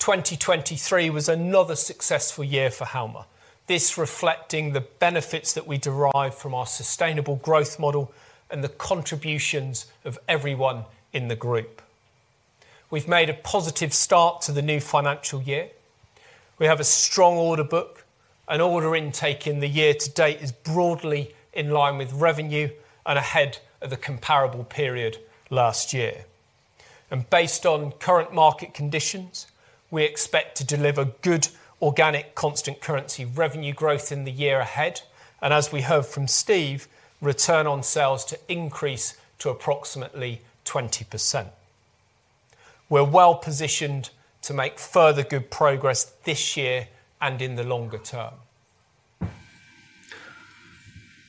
2023 was another successful year for Halma. This reflecting the benefits that we derive from our sustainable growth model and the contributions of everyone in the group. We've made a positive start to the new financial year. We have a strong order book. Order intake in the year to date is broadly in line with revenue and ahead of the comparable period last year. Based on current market conditions, we expect to deliver good organic constant currency revenue growth in the year ahead, and as we heard from Steve Gunning, return on sales to increase to approximately 20%. We're well positioned to make further good progress this year and in the longer term.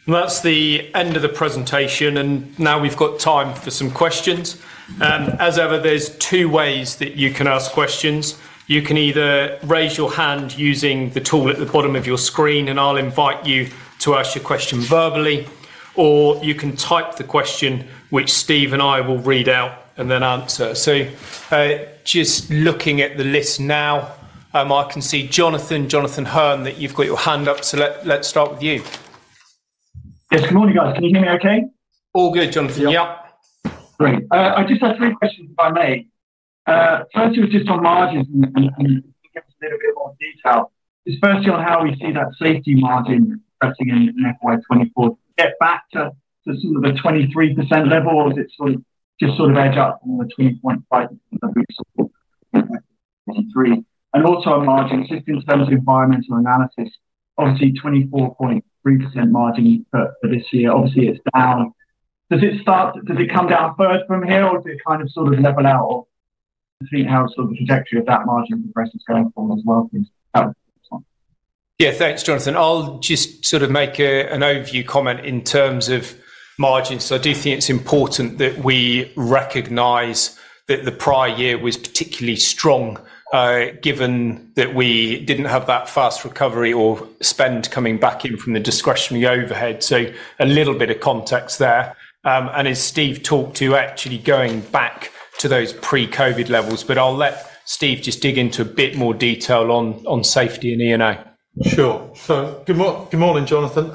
That's the end of the presentation, and now we've got time for some questions. As ever, there's two ways that you can ask questions. You can either raise your hand using the tool at the bottom of your screen, and I'll invite you to ask your question verbally, or you can type the question, which Steve Gunning and I will read out and then answer. Just looking at the list now, I can see Jonathan Hurn, that you've got your hand up, so let's start with you. Yes, good morning, guys. Can you hear me okay? All good, Jonathan. Yep. Great. I just have three questions, if I may. First is just on margins, and get into a little bit more detail. Is firstly on how we see that safety margin progressing in FY 2024, get back to sort of the 23% level, or is it just edge up on the 20.5% that we saw in FY 2023? Also on margin, just in terms of environmental analysis, obviously 24.3% margin for this year, obviously, it's down. Does it come down first from here, or does it kind of level out between how the trajectory of that margin progress is going forward as well, please? Yeah. Thanks, Jonathan. I'll just make an overview comment in terms of margins. I do think it's important that we recognize that the prior year was particularly strong, given that we didn't have that fast recovery or spend coming back in from the discretionary overhead. A little bit of context there. As Steve talked to actually going back to those pre-COVID levels, but I'll let Steve just dig into a bit more detail on safety and E&A. Sure. Good morning, Jonathan.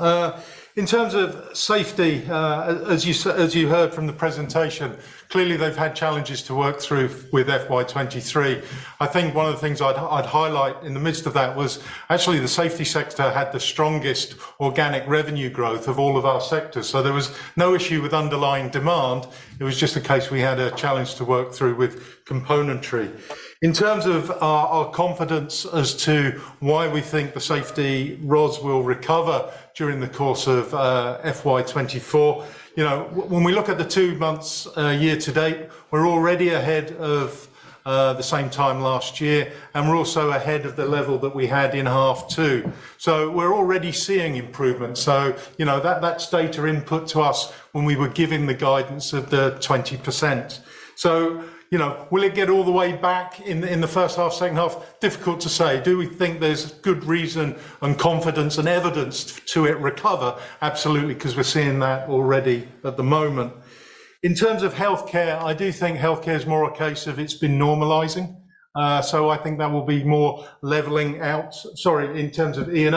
In terms of safety, as you heard from the presentation, clearly they've had challenges to work through with FY 2023. I think one of the things I'd highlight in the midst of that was actually the Safety Sector had the strongest organic revenue growth of all of our sectors. There was no issue with underlying demand, it was just a case we had a challenge to work through with componentry. In terms of our confidence as to why we think the safety ROS will recover during the course of FY 2024, you know, when we look at the two months year to date, we're already ahead of the same time last year, and we're also ahead of the level that we had in half two. We're already seeing improvement. You know, that's data input to us when we were giving the guidance of the 20%. You know, will it get all the way back in the, in the first half, second half? Difficult to say. Do we think there's good reason and confidence and evidence to it recover? Absolutely, 'cause we're seeing that already at the moment. In terms of healthcare, I do think healthcare is more a case of it's been normalizing. I think that will be more leveling out... Sorry, in terms of E&A,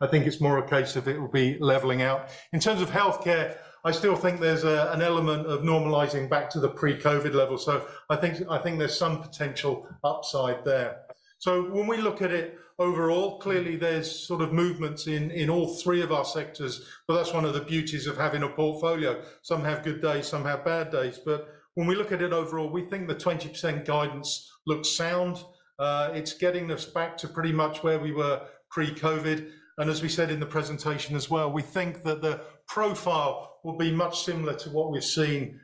I think it's more a case of it will be leveling out. In terms of healthcare, I still think there's a, an element of normalizing back to the pre-COVID level, I think there's some potential upside there. When we look at it overall, clearly there's sort of movements in all three of our sectors, but that's one of the beauties of having a portfolio. Some have good days, some have bad days. When we look at it overall, we think the 20% guidance looks sound. It's getting us back to pretty much where we were pre-COVID. As we said in the presentation as well, we think that the profile will be much similar to what we've seen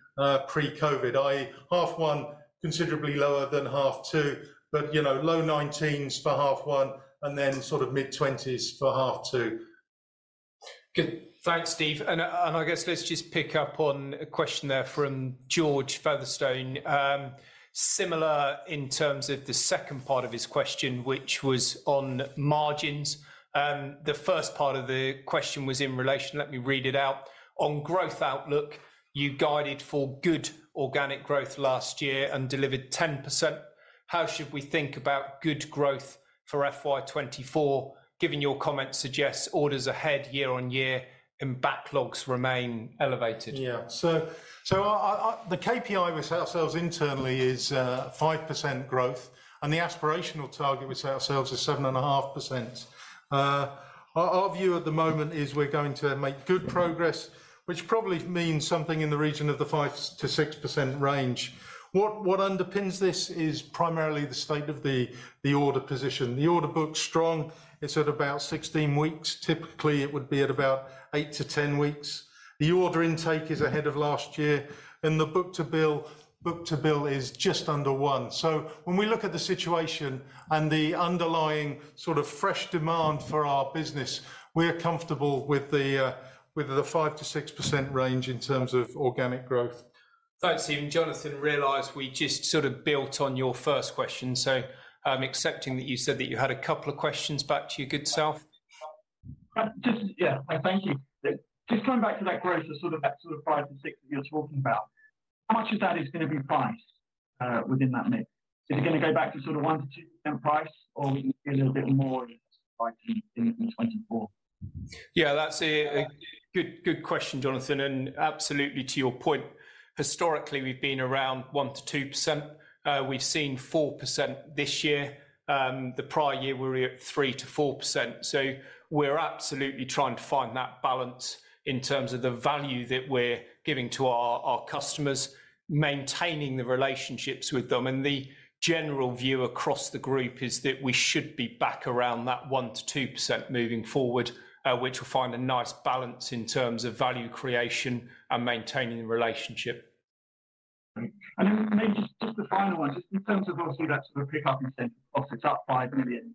pre-COVID, i.e., half one considerably lower than half two, but, you know, low 19s for half one and then sort of mid-20s for half two. Good. Thanks, Steve. I guess let's just pick up on a question there from George Featherstone. Similar in terms of the second part of his question, which was on margins, the first part of the question was in relation, let me read it out. "On growth outlook, you guided for good organic growth last year and delivered 10%. How should we think about good growth for FY 2024, given your comments suggest orders ahead year-on-year and backlogs remain elevated? Yeah. So I the KPI we set ourselves internally is 5% growth, and the aspirational target we set ourselves is 7.5%. Our view at the moment is we're going to make good progress, which probably means something in the region of the 5%-6% range. What underpins this is primarily the state of the order position. The order book's strong. It's at about 16 weeks. Typically, it would be at about eight to 10 weeks. The order intake is ahead of last year, and the book-to-bill is just under one. When we look at the situation and the underlying sort of fresh demand for our business, we are comfortable with the 5%-6% range in terms of organic growth. Thanks, Steve, and Jonathan, realize we just sort of built on your first question. Accepting that you said that you had a couple of questions back to your good self. Just. Thank you. Just coming back to that growth, the sort of 5%-6% that you're talking about, how much of that is gonna be price, within that mix? Is it gonna go back to sort of 1%-2% price, or we can get a little bit more in 2024? That's a good question, Jonathan, and absolutely to your point. Historically, we've been around 1%-2%. We've seen 4% this year. The prior year, we were at 3%-4%. We're absolutely trying to find that balance in terms of the value that we're giving to our customers, maintaining the relationships with them, and the general view across the group is that we should be back around that 1%-2% moving forward, which will find a nice balance in terms of value creation and maintaining the relationship. Okay. Maybe just the final one, just in terms of obviously that sort of pick-up in cost, it's up 5 million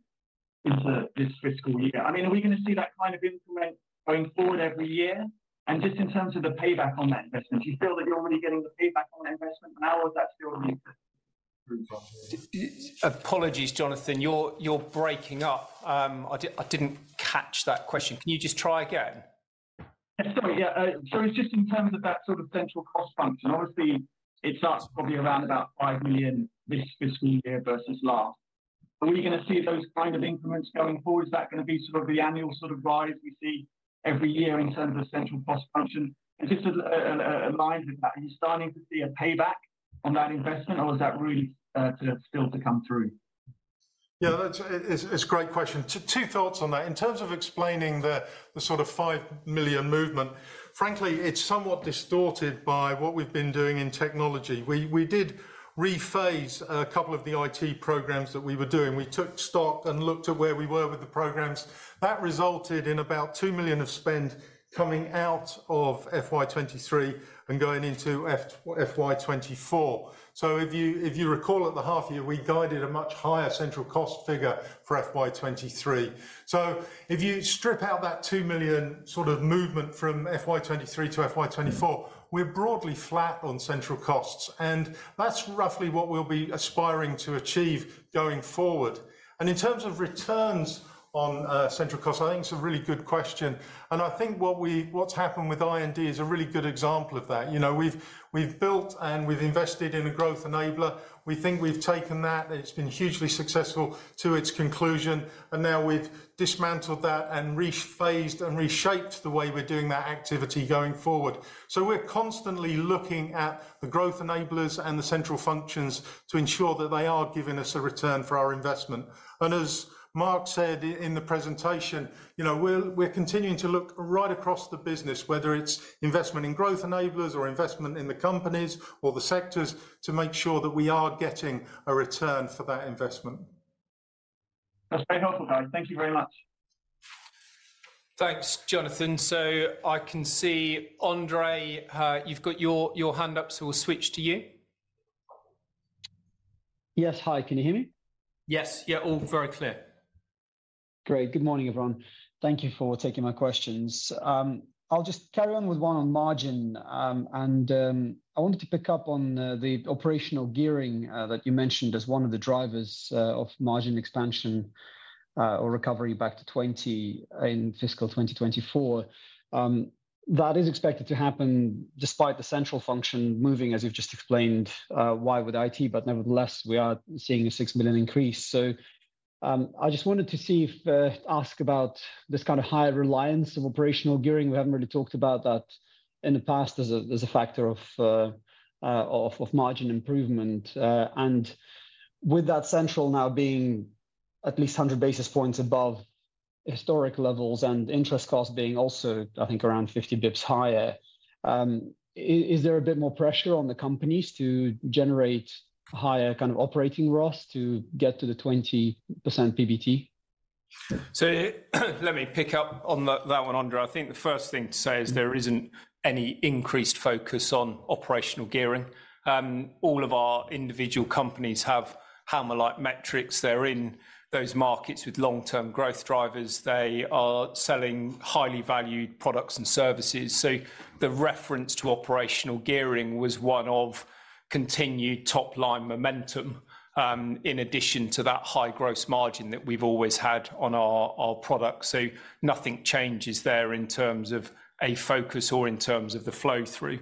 into this fiscal year. I mean, are we going to see that kind of increment going forward every year? Just in terms of the payback on that investment, do you feel that you're already getting the payback on that investment, and how is that still...? Apologies, Jonathan. You're breaking up. I didn't catch that question. Can you just try again? Sorry, yeah, it's just in terms of that sort of central cost function, obviously, it's up probably around about 5 million this fiscal year versus last. Are we gonna see those kind of increments going forward? Is that gonna be sort of the annual sort of rise we see every year in terms of central cost function? Just in line with that, are you starting to see a payback on that investment, or is that really to still to come through? Yeah, that's a great question. Two thoughts on that. In terms of explaining the sort of 5 million movement, frankly, it's somewhat distorted by what we've been doing in technology. We did rephase a couple of the IT programs that we were doing. We took stock and looked at where we were with the programs. That resulted in about 2 million of spend coming out of FY 2023 and going into FY 2024. If you recall at the half year, we guided a much higher central cost figure for FY 2023. If you strip out that 2 million sort of movement from FY 2023 to FY 2024, we're broadly flat on central costs, and that's roughly what we'll be aspiring to achieve going forward. In terms of returns on central costs, I think it's a really good question, and I think what's happened with I&D is a really good example of that. You know, we've built and we've invested in a growth enabler. We think we've taken that, and it's been hugely successful to its conclusion, and now we've dismantled that and rephased and reshaped the way we're doing that activity going forward. We're constantly looking at the growth enablers and the central functions to ensure that they are giving us a return for our investment. As Marc said in the presentation, you know, we're continuing to look right across the business, whether it's investment in growth enablers or investment in the companies or the sectors, to make sure that we are getting a return for that investment. That's very helpful, guys. Thank you very much. Thanks, Jonathan. I can see, Andre, you've got your hand up, so we'll switch to you. Yes. Hi, can you hear me? Yes. Yeah, all very clear. Great. Good morning, everyone. Thank you for taking my questions. I'll just carry on with one on margin. I wanted to pick up on the operational gearing that you mentioned as one of the drivers of margin expansion or recovery back to 20% in fiscal year 2024. That is expected to happen despite the central function moving, as you've just explained, why with IT, but nevertheless, we are seeing a 6 million increase. I just wanted to see if ask about this kind of higher reliance of operational gearing. We haven't really talked about that in the past as a factor of margin improvement. With that central now being at least 100 basis points above historic levels and interest costs being also, I think, around 50 basis points higher, is there a bit more pressure on the companies to generate higher kind of operating ROS to get to the 20% PBT? Let me pick up on that one, Andre. I think the first thing to say is there isn't any increased focus on operational gearing. All of our individual companies have Halma-like metrics. They're in those markets with long-term growth drivers. They are selling highly valued products and services. The reference to operational gearing was one of continued top-line momentum, in addition to that high gross margin that we've always had on our products. Nothing changes there in terms of a focus or in terms of the flow-through.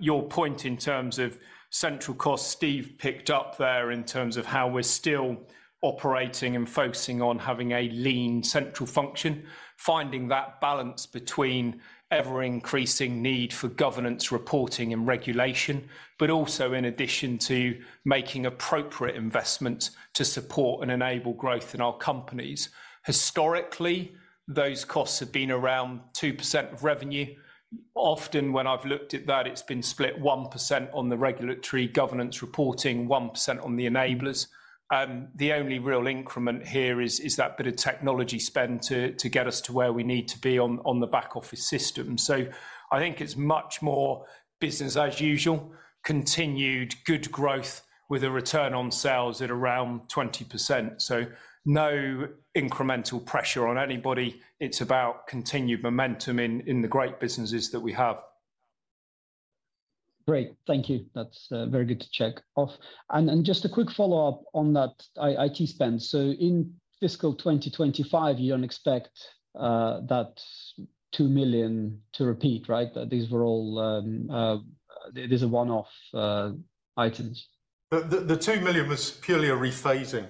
Your point in terms of central cost, Steve picked up there in terms of how we're still operating and focusing on having a lean central function, finding that balance between ever-increasing need for governance, reporting, and regulation, but also in addition to making appropriate investments to support and enable growth in our companies. Historically, those costs have been around 2% of revenue. Often, when I've looked at that, it's been split 1% on the regulatory governance reporting, 1% on the enablers. The only real increment here is that bit of technology spend to get us to where we need to be on the back office system. I think it's much more business as usual, continued good growth with a return on sales at around 20%. No incremental pressure on anybody. It's about continued momentum in the great businesses that we have. Great. Thank you. That's very good to check off. Just a quick follow-up on that IT spend. In fiscal year 2025, you don't expect that 2 million to repeat, right? That these were all. It is a one-off items. The 2 million was purely a rephasing.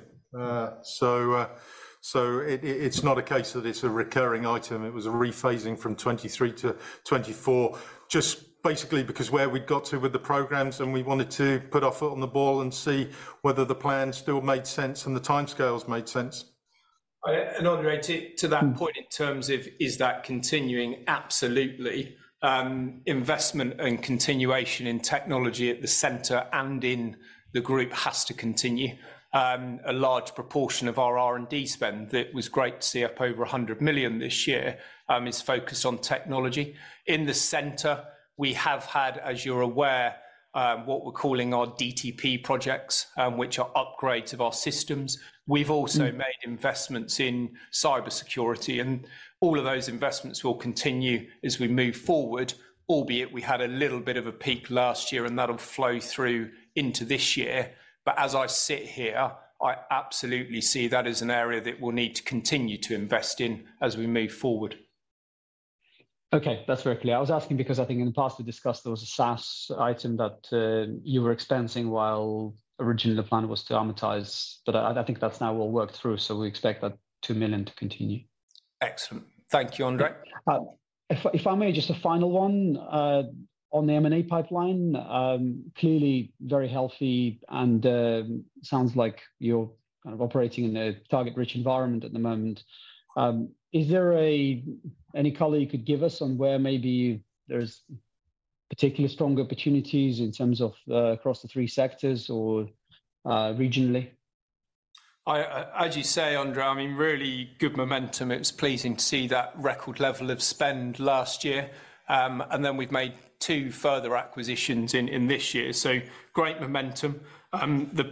It's not a case that it's a recurring item. It was a rephasing from 2023 to 2024, just basically because where we'd got to with the programs, and we wanted to put our foot on the ball and see whether the plan still made sense and the timescales made sense. Andre, to that point, in terms of is that continuing? Absolutely. Investment and continuation in technology at the center and in the group has to continue. A large proportion of our R&D spend, that was great to see up over 100 million this year, is focused on technology. In the center, we have had, as you're aware, what we're calling our DTP projects, which are upgrades of our systems. We've also made investments in cybersecurity, and all of those investments will continue as we move forward, albeit we had a little bit of a peak last year, and that'll flow through into this year. As I sit here, I absolutely see that as an area that we'll need to continue to invest in as we move forward. That's very clear. I was asking because I think in the past, we discussed there was a SaaS item that you were expensing, while originally the plan was to amortize. I think that's now well worked through, so we expect that 2 million to continue. Excellent. Thank you, Andre. If I may, just a final one on the M&A pipeline. Clearly very healthy and sounds like you're kind of operating in a target-rich environment at the moment. Is there any color you could give us on where maybe there's particularly strong opportunities in terms of across the three sectors or regionally? I, as you say, Andre, I mean, really good momentum. It's pleasing to see that record level of spend last year. We've made two further acquisitions in this year, so great momentum. The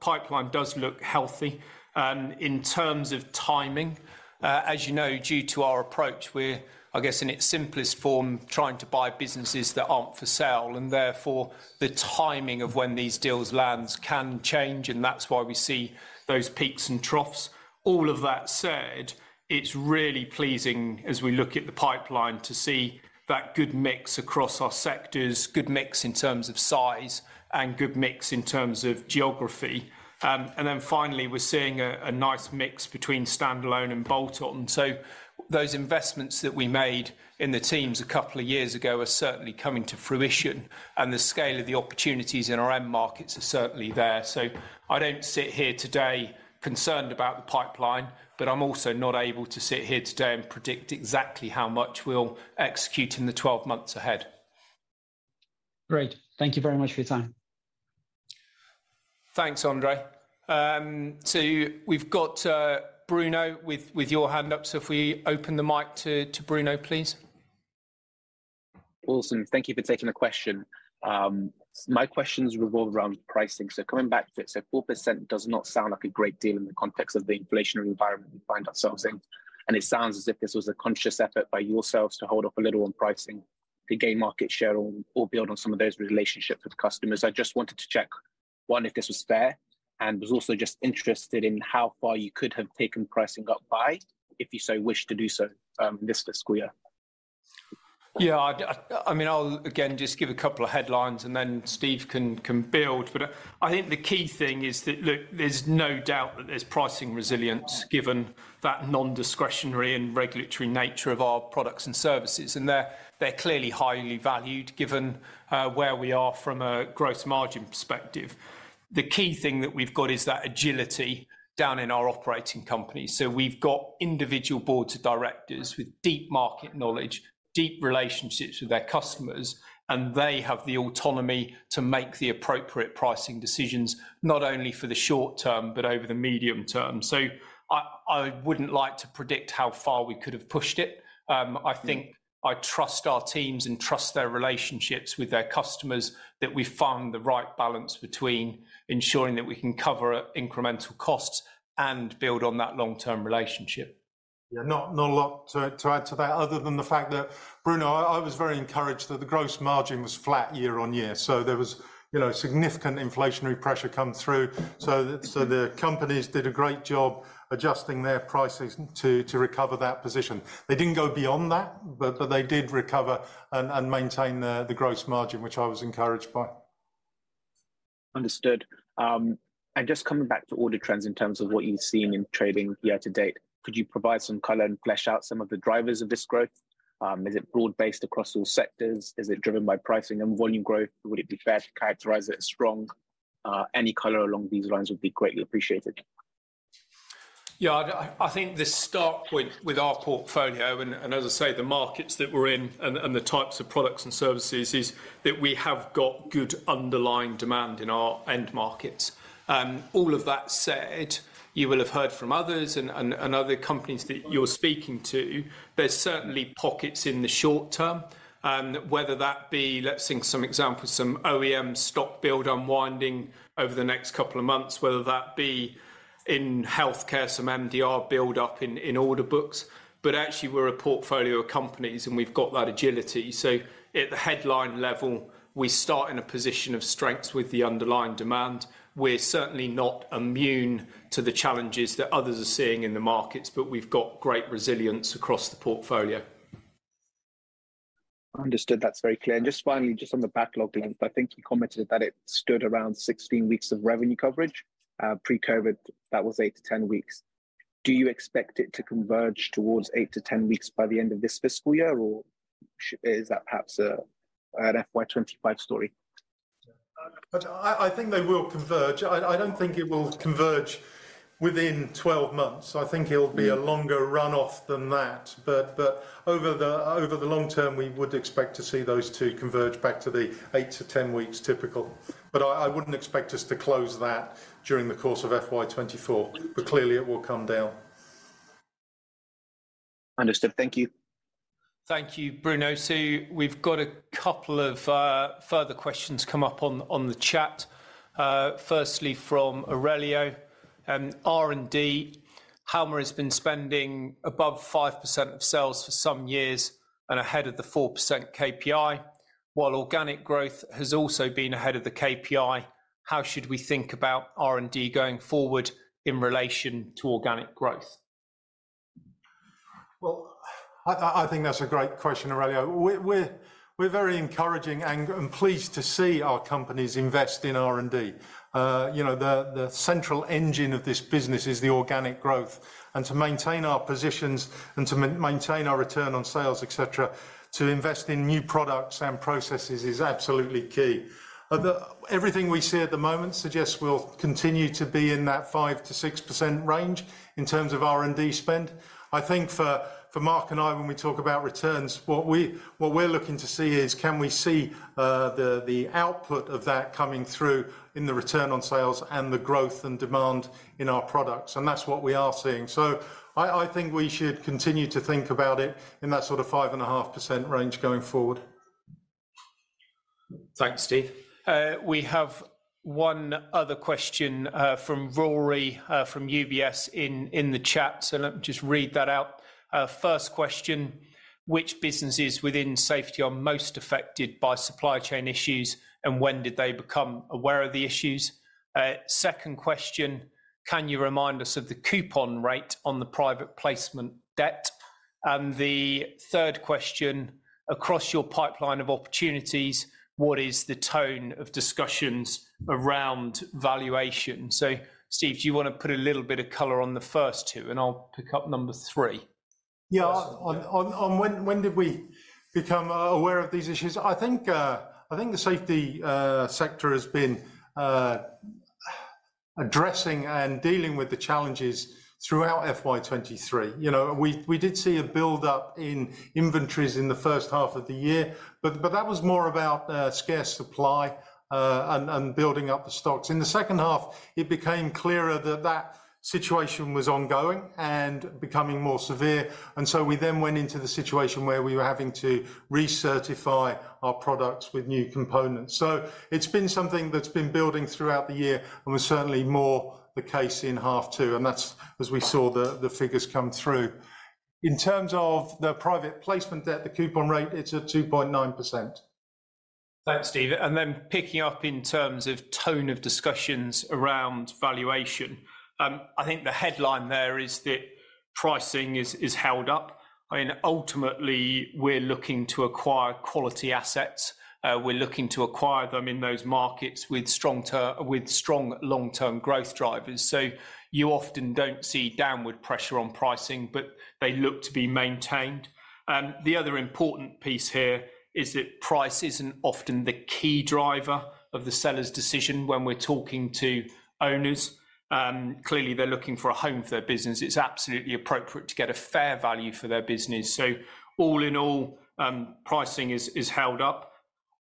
pipeline does look healthy. In terms of timing, as you know, due to our approach, we're, I guess, in its simplest form, trying to buy businesses that aren't for sale, and therefore, the timing of when these deals lands can change, and that's why we see those peaks and troughs. All of that said, it's really pleasing as we look at the pipeline, to see that good mix across our sectors, good mix in terms of size, and good mix in terms of geography. Finally, we're seeing a nice mix between standalone and bolt-on. Those investments that we made in the teams a couple of years ago are certainly coming to fruition, and the scale of the opportunities in our end markets are certainly there. I don't sit here today concerned about the pipeline, but I'm also not able to sit here today and predict exactly how much we'll execute in the 12 months ahead. Great. Thank you very much for your time. Thanks, Andre. We've got Bruno with your hand up. If we open the mic to Bruno, please. Awesome. Thank you for taking the question. My questions revolve around pricing. Coming back to it, so 4% does not sound like a great deal in the context of the inflationary environment we find ourselves in, and it sounds as if this was a conscious effort by yourselves to hold up a little on pricing, to gain market share or build on some of those relationships with customers. I just wanted to check, one, if this was fair, and was also just interested in how far you could have taken pricing up by, if you so wished to do so, this fiscal year. Yeah, I mean, I'll again just give a couple of headlines, and then Steve can build. I think the key thing is that, look, there's no doubt that there's pricing resilience, given that non-discretionary and regulatory nature of our products and services. They're clearly highly valued, given where we are from a growth margin perspective. The key thing that we've got is that agility down in our operating companies. We've got individual boards of directors with deep market knowledge, deep relationships with their customers, and they have the autonomy to make the appropriate pricing decisions, not only for the short term but over the medium term. I wouldn't like to predict how far we could have pushed it. I think I trust our teams and trust their relationships with their customers, that we found the right balance between ensuring that we can cover up incremental costs and build on that long-term relationship. Yeah, not a lot to add to that, other than the fact that, Bruno, I was very encouraged that the gross margin was flat year-on-year. There was, you know, significant inflationary pressure coming through. The companies did a great job adjusting their prices to recover that position. They didn't go beyond that, but they did recover and maintain the gross margin, which I was encouraged by. Understood. Just coming back to order trends in terms of what you've seen in trading year-to-date, could you provide some color and flesh out some of the drivers of this growth? Is it broad-based across all sectors? Is it driven by pricing and volume growth, or would it be fair to characterize it as strong? Any color along these lines would be greatly appreciated. I think the start point with our portfolio, as I say, the markets that we're in and the types of products and services, is that we have got good underlying demand in our end markets. All of that said, you will have heard from others and other companies that you're speaking to, there's certainly pockets in the short term, whether that be Let's think some examples, some OEM stock build unwinding over the next two months, whether that be in healthcare, some MDR build-up in order books. Actually, we're a portfolio of companies, and we've got that agility. At the headline level, we start in a position of strength with the underlying demand. We're certainly not immune to the challenges that others are seeing in the markets, but we've got great resilience across the portfolio. Understood. That's very clear. Just finally, just on the backlog length, I think you commented that it stood around 16 weeks of revenue coverage. Pre-COVID, that was 8 to 10 weeks. Do you expect it to converge towards eight to 10 weeks by the end of this fiscal year, or is that perhaps an FY 2025 story? I think they will converge. I don't think it will converge within 12 months. I think it'll be a longer run off than that. Over the long term, we would expect to see those two converge back to the 8-10 weeks typical. I wouldn't expect us to close that during the course of FY 2024, but clearly, it will come down. Understood. Thank you. Thank you, Bruno. We've got a couple of further questions come up on the chat. Firstly, from Aurelio, R&D. Halma has been spending above 5% of sales for some years and ahead of the 4% KPI, while organic growth has also been ahead of the KPI. How should we think about R&D going forward in relation to organic growth? Well, I think that's a great question, Aurelio. We're very encouraging and pleased to see our companies invest in R&D. you know, the central engine of this business is the organic growth, and to maintain our positions and to maintain our return on sales, et cetera, to invest in new products and processes is absolutely key. Everything we see at the moment suggests we'll continue to be in that 5%-6% range in terms of R&D spend. I think for Marc and I, when we talk about returns, what we're looking to see is, can we see the output of that coming through in the return on sales and the growth and demand in our products? That's what we are seeing. I think we should continue to think about it in that sort of 5.5% range going forward. Thanks, Steve. We have one other question from Rory from UBS in the chat, let me just read that out. First question: Which businesses within Safety are most affected by supply chain issues, and when did they become aware of the issues? Second question: Can you remind us of the coupon rate on the private placement debt? Third question: Across your pipeline of opportunities, what is the tone of discussions around valuation? Steve, do you want to put a little bit of color on the first two, and I'll pick up number three? Yeah. When did we become aware of these issues? I think the Safety Sector has been addressing and dealing with the challenges throughout FY 2023. You know, we did see a build-up in inventories in the first half of the year, but that was more about scarce supply and building up the stocks. In the second half, it became clearer that that situation was ongoing and becoming more severe, and so we then went into the situation where we were having to recertify our products with new components. It's been something that's been building throughout the year and was certainly more the case in half two, and that's as we saw the figures come through. In terms of the private placement debt, the coupon rate, it's at 2.9%. Thanks, Steve. Picking up in terms of tone of discussions around valuation, I think the headline there is that pricing is held up. I mean, ultimately, we're looking to acquire quality assets. We're looking to acquire them in those markets with strong long-term growth drivers. You often don't see downward pressure on pricing, but they look to be maintained. The other important piece here is that price isn't often the key driver of the seller's decision when we're talking to owners. Clearly, they're looking for a home for their business. It's absolutely appropriate to get a fair value for their business. All in all, pricing is held up.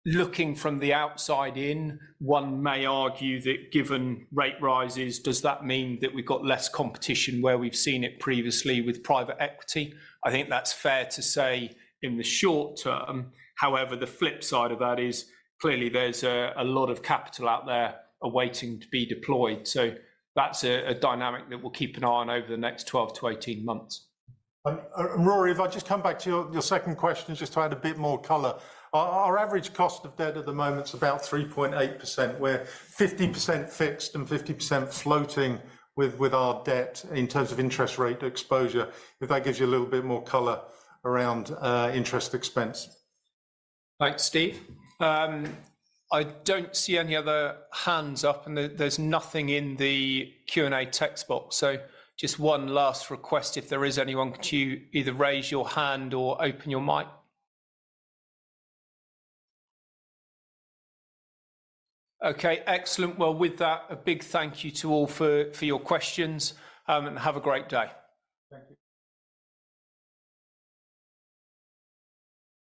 Looking from the outside in, one may argue that given rate rises, does that mean that we've got less competition where we've seen it previously with private equity? I think that's fair to say in the short term. However, the flip side of that is clearly there's a lot of capital out there awaiting to be deployed. That's a dynamic that we'll keep an eye on over the next 12-18 months. Rory, if I just come back to your second question, just to add a bit more color. Our average cost of debt at the moment is about 3.8%, where 50% fixed and 50% floating with our debt in terms of interest rate exposure, if that gives you a little bit more color around interest expense. Thanks, Steve. I don't see any other hands up. There's nothing in the Q&A text box. Just one last request, if there is anyone, could you either raise your hand or open your mic? Okay, excellent. With that, a big thank you to all for your questions, and have a great day. Thank you.